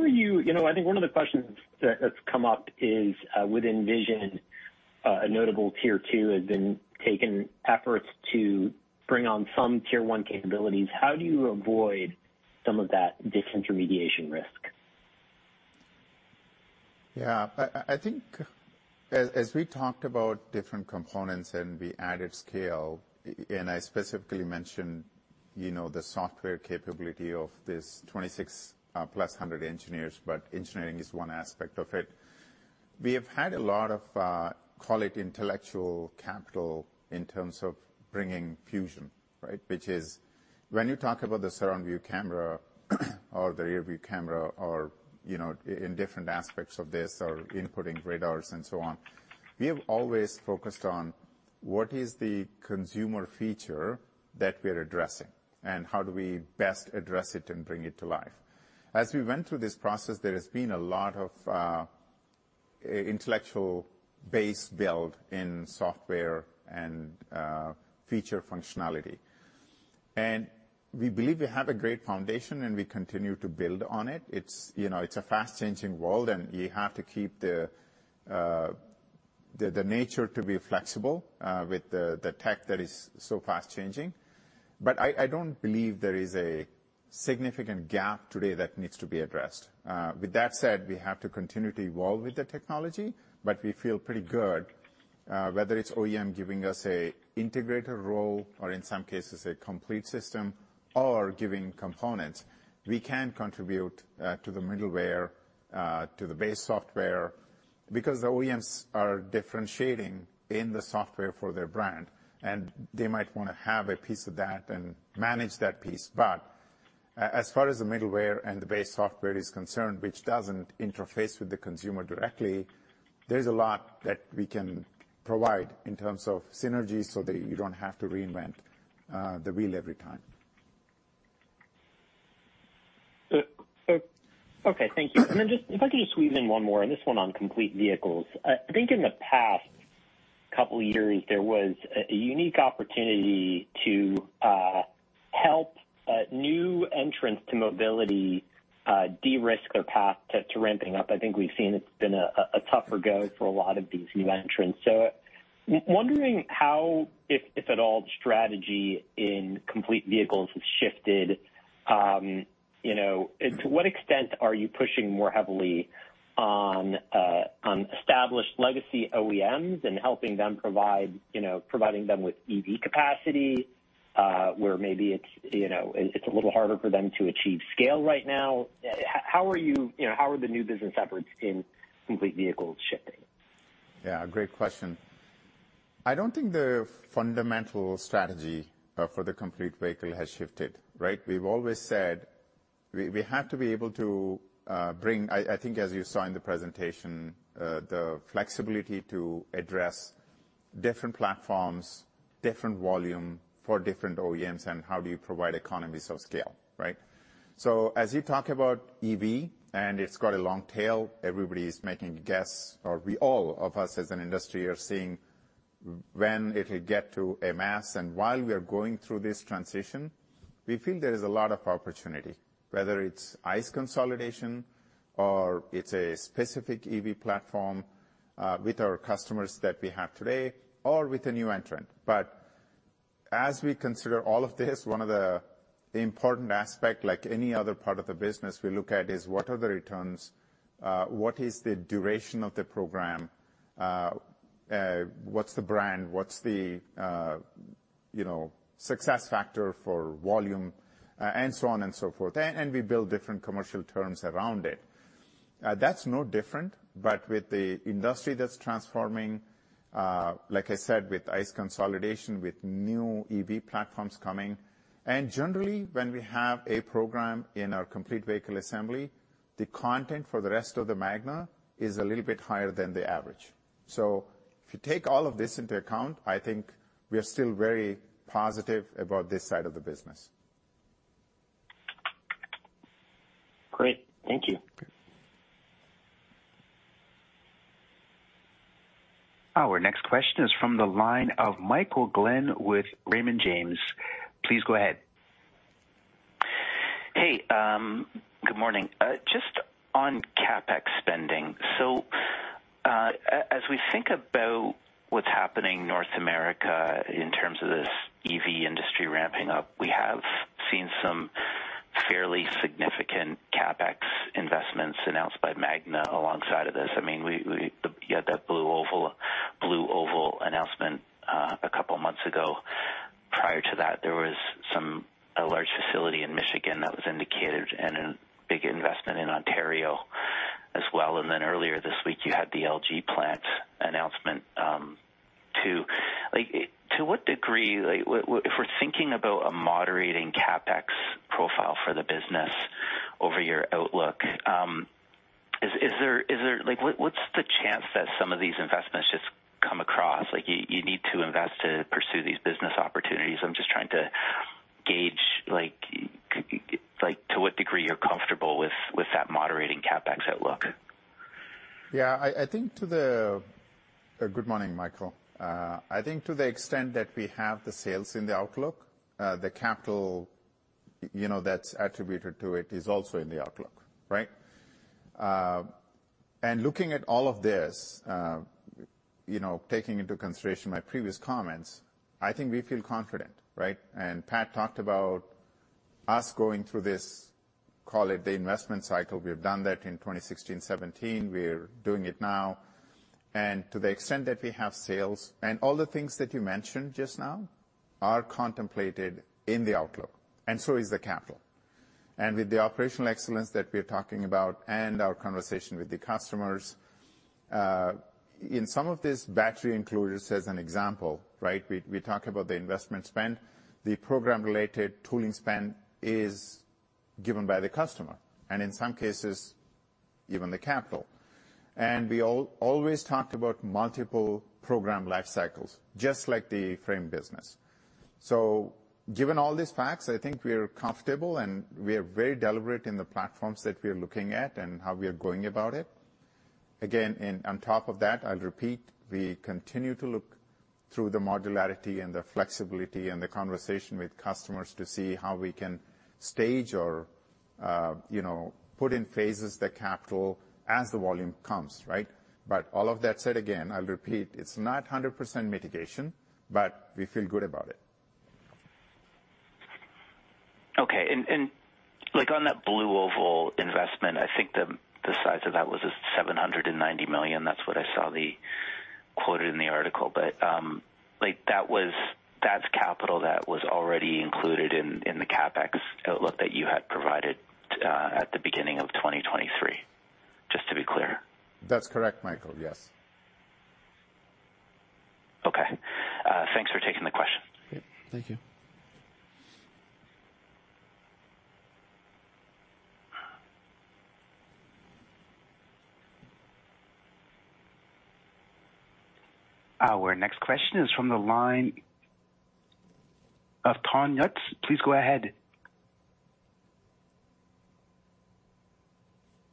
are you- Swamy I think one of the questions that has come up is, with NVIDIA, a notable tier two, has been taking efforts to bring on some tier one capabilities. How do you avoid some of that disintermediation risk? I think as we talked about different components and the added scale, and I specifically mentioned, Swamy the software capability of this 26 plus 100 engineers, but engineering is one aspect of it. We have had a lot of call it intellectual capital in terms of bringing fusion, right? Which is, when you talk about the surround view camera, or the rear view camera, or, Swamy in different aspects of this, or inputting radars and so on, we have always focused on what is the consumer feature that we're addressing, and how do we best address it and bring it to life? As we went through this process, there has been a lot of intellectual base build in software and feature functionality. And we believe we have a great foundation, and we continue to build on it. It's, Swamy it's a fast-changing world, and you have to keep the nature to be flexible with the tech that is so fast-changing. But I don't believe there is a significant gap today that needs to be addressed. With that said, we have to continue to evolve with the technology, but we feel pretty good whether it's OEM giving us an integrator role or, in some cases, a complete system, or giving components; we can contribute to the middleware to the base software. Because the OEMs are differentiating in the software for their brand, and they might wanna have a piece of that and manage that piece. As far as the middleware and the base software is concerned, which doesn't interface with the consumer directly, there's a lot that we can provide in terms of synergies so that you don't have to reinvent the wheel every time. Okay, thank you. If I could just squeeze in one more, this one on complete vehicles. I think in the past couple years, there was a unique opportunity to help new entrants to mobility de-risk their path to ramping up. I think we've seen it's been a tougher go for a lot of these new entrants. So wondering how, if at all, the strategy in complete vehicles has shifted. Swamy and to what extent are you pushing more heavily on established legacy OEMs and helping them provide, Swamy providing them with EV capacity, where maybe it's, Swamy it, it's a little harder for them to achieve scale right now? How are the new business efforts in complete vehicles shifting? Great question. I don't think the fundamental strategy for the complete vehicle has shifted, right? We've always said we have to be able to bring, I think as you saw in the presentation, the flexibility to address different platforms, different volume for different OEMs, and how do you provide economies of scale, right? So as you talk about EV, and it's got a long tail, everybody's making guesses, or we, all of us as an industry are seeing when it'll get to a mass. And while we are going through this transition, we feel there is a lot of opportunity, whether it's ICE consolidation or it's a specific EV platform with our customers that we have today or with a new entrant. But as we consider all of this, one of the important aspect, like any other part of the business we look at, is what are the returns? What is the duration of the program? What's the brand? What's the, Swamy success factor for volume, and so on and so forth. And we build different commercial terms around it. That's no different, but with the industry that's transforming, like I said, with ICE consolidation, with new EV platforms coming, and generally, when we have a program in our complete vehicle assembly, the content for the rest of the Magna is a little bit higher than the average. So if you take all of this into account, I think we are still very positive about this side of the business. Great. Thank you. Our next question is from the line of Michael Glen with Raymond James. Please go ahead. Hey, good morning. Just on CapEx spending, so, as we think about what's happening North America, in terms of this EV industry ramping up, we have seen some fairly significant CapEx investments announced by Magna alongside of this. I mean, we, you had that Blue Oval, Blue Oval announcement, a couple months ago. Prior to that, there was a large facility in Michigan that was indicated and a big investment in Ontario as well. And then earlier this week, you had the LG plant announcement, too. Like, to what degree, if we're thinking about a moderating CapEx profile for the business over your outlook, is there- Like, what, what's the chance that some of these investments just come across? Like, you need to invest to pursue these business opportunities. I'm just trying to gauge, like, to what degree you're comfortable with that moderating CapEx outlook. Good morning, Michael. I think to the extent that we have the sales in the outlook, the capital, Swamy that's attributed to it is also in the outlook, right? And looking at all of this, Swamy taking into consideration my previous comments, I think we feel confident, right? And Patrick talked about us going through this, call it the investment cycle. We've done that in 2016, 2017. We're doing it now. And to the extent that we have sales, and all the things that you mentioned just now are contemplated in the outlook, and so is the capital. And with the operational excellence that we're talking about and our conversation with the customers, in some of this, battery enclosures, as an example, right? We talk about the investment spend. The program-related tooling spend is given by the customer, and in some cases, even the capital. We always talked about multiple program life cycles, just like the frame business. So given all these facts, I think we are comfortable, and we are very deliberate in the platforms that we are looking at and how we are going about it. Again, and on top of that, I'll repeat, we continue to look through the modularity and the flexibility and the conversation with customers to see how we can stage or, Swamy put in phases the capital as the volume comes, right? But all of that said, again, I'll repeat, it's not 100% mitigation, but we feel good about it. Okay, like, on that Blue Oval investment, I think the size of that was $790 million. That's what I saw quoted in the article. But, like, that's capital that was already included in the CapEx outlook that you had provided at the beginning of 2023, just to be clear? That's correct, Michael. Yes. Okay. Thanks for taking the question. Thank you. Our next question is from the line of Tom Narayan. Please go ahead.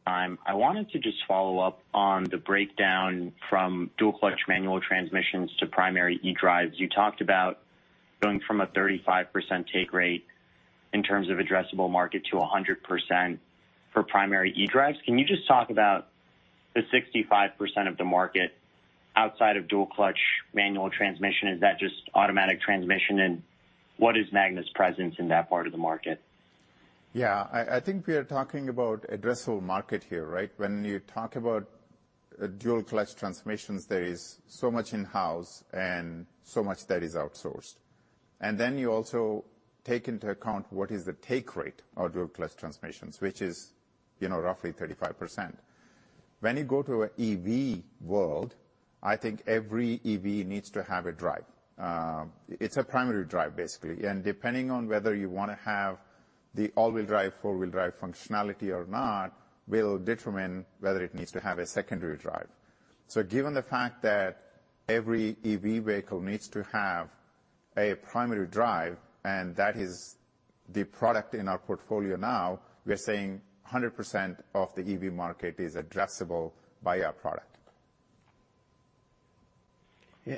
I wanted to just follow up on the breakdown from dual-clutch manual transmissions to primary eDrives. You talked about going from a 35% take rate in terms of addressable market to a 100% for primary eDrives. Can you just talk about the 65% of the market outside of dual-clutch manual transmission? Is that just automatic transmission, and what is Magna's presence in that part of the market? I think we are talking about addressable market here, right? When you talk about dual-clutch transmissions, there is so much in-house and so much that is outsourced. And then you also take into account what is the take rate of dual-clutch transmissions, which is, Swamy roughly 35%. When you go to an EV world, I think every EV needs to have a drive. It's a primary drive, basically, and depending on whether you wanna have the all-wheel drive, four-wheel drive functionality or not, will determine whether it needs to have a secondary drive. So given the fact that every EV vehicle needs to have a primary drive, and that is the product in our portfolio now, we are saying 100% of the EV market is addressable by our product.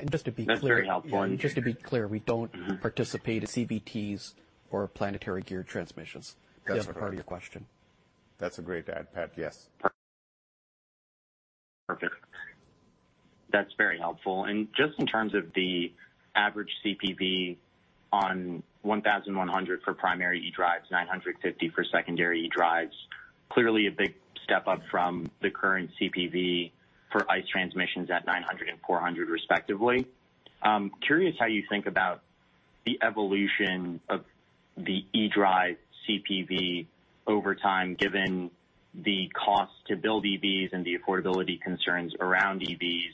Just to be clear. That's very helpful. Just to be clear, we don't participate in CVTs or planetary gear transmissions. That's right. The other part of your question. That's a great add, Pat, yes. Perfect. That's very helpful. And just in terms of the average CPV on $1,100 for primary eDrives, $950 for secondary eDrives, clearly a big step up from the current CPV for ICE transmissions at $900 and $400, respectively. Curious how you think about the evolution of the eDrive CPV over time, given the cost to build EVs and the affordability concerns around EVs.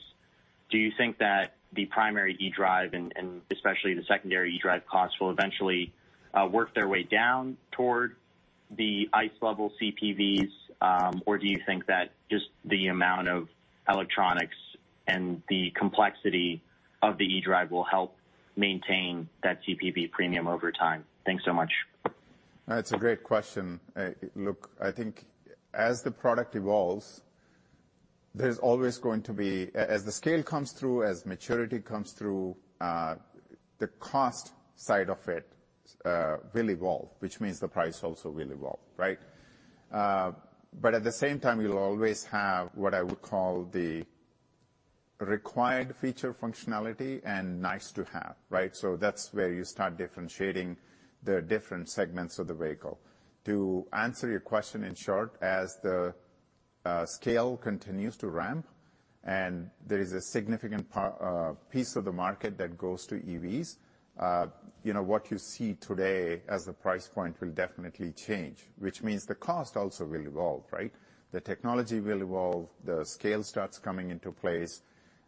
Do you think that the primary eDrive, and, and especially the secondary eDrive costs, will eventually work their way down toward the ICE-level CPVs? Or do you think that just the amount of electronics and the complexity of the eDrive will help maintain that CPV premium over time? Thanks so much. That's a great question. Look, I think as the product evolves, there's always going to be as the scale comes through, as maturity comes through, the cost side of it will evolve, which means the price also will evolve, right? But at the same time, you'll always have what I would call the required feature functionality and nice to have, right? So that's where you start differentiating the different segments of the vehicle. To answer your question, in short, as the scale continues to ramp, and there is a significant piece of the market that goes to EVs, Swamy what you see today as the price point will definitely change, which means the cost also will evolve, right? The technology will evolve, the scale starts coming into place,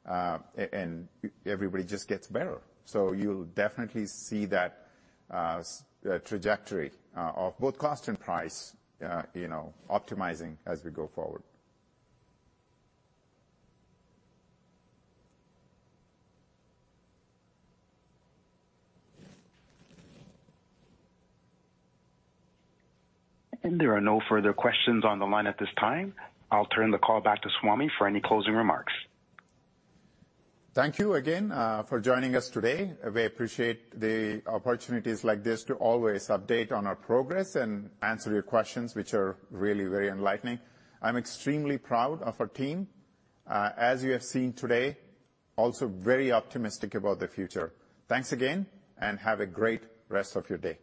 and everybody just gets better. So you'll definitely see that trajectory of both cost and price, Swamy optimizing as we go forward. There are no further questions on the line at this time. I'll turn the call back to Swamy for any closing remarks. Thank you again, for joining us today. We appreciate the opportunities like this to always update on our progress and answer your questions, which are really very enlightening. I'm extremely proud of our team, as you have seen today, also very optimistic about the future. Thanks again, and have a great rest of your day.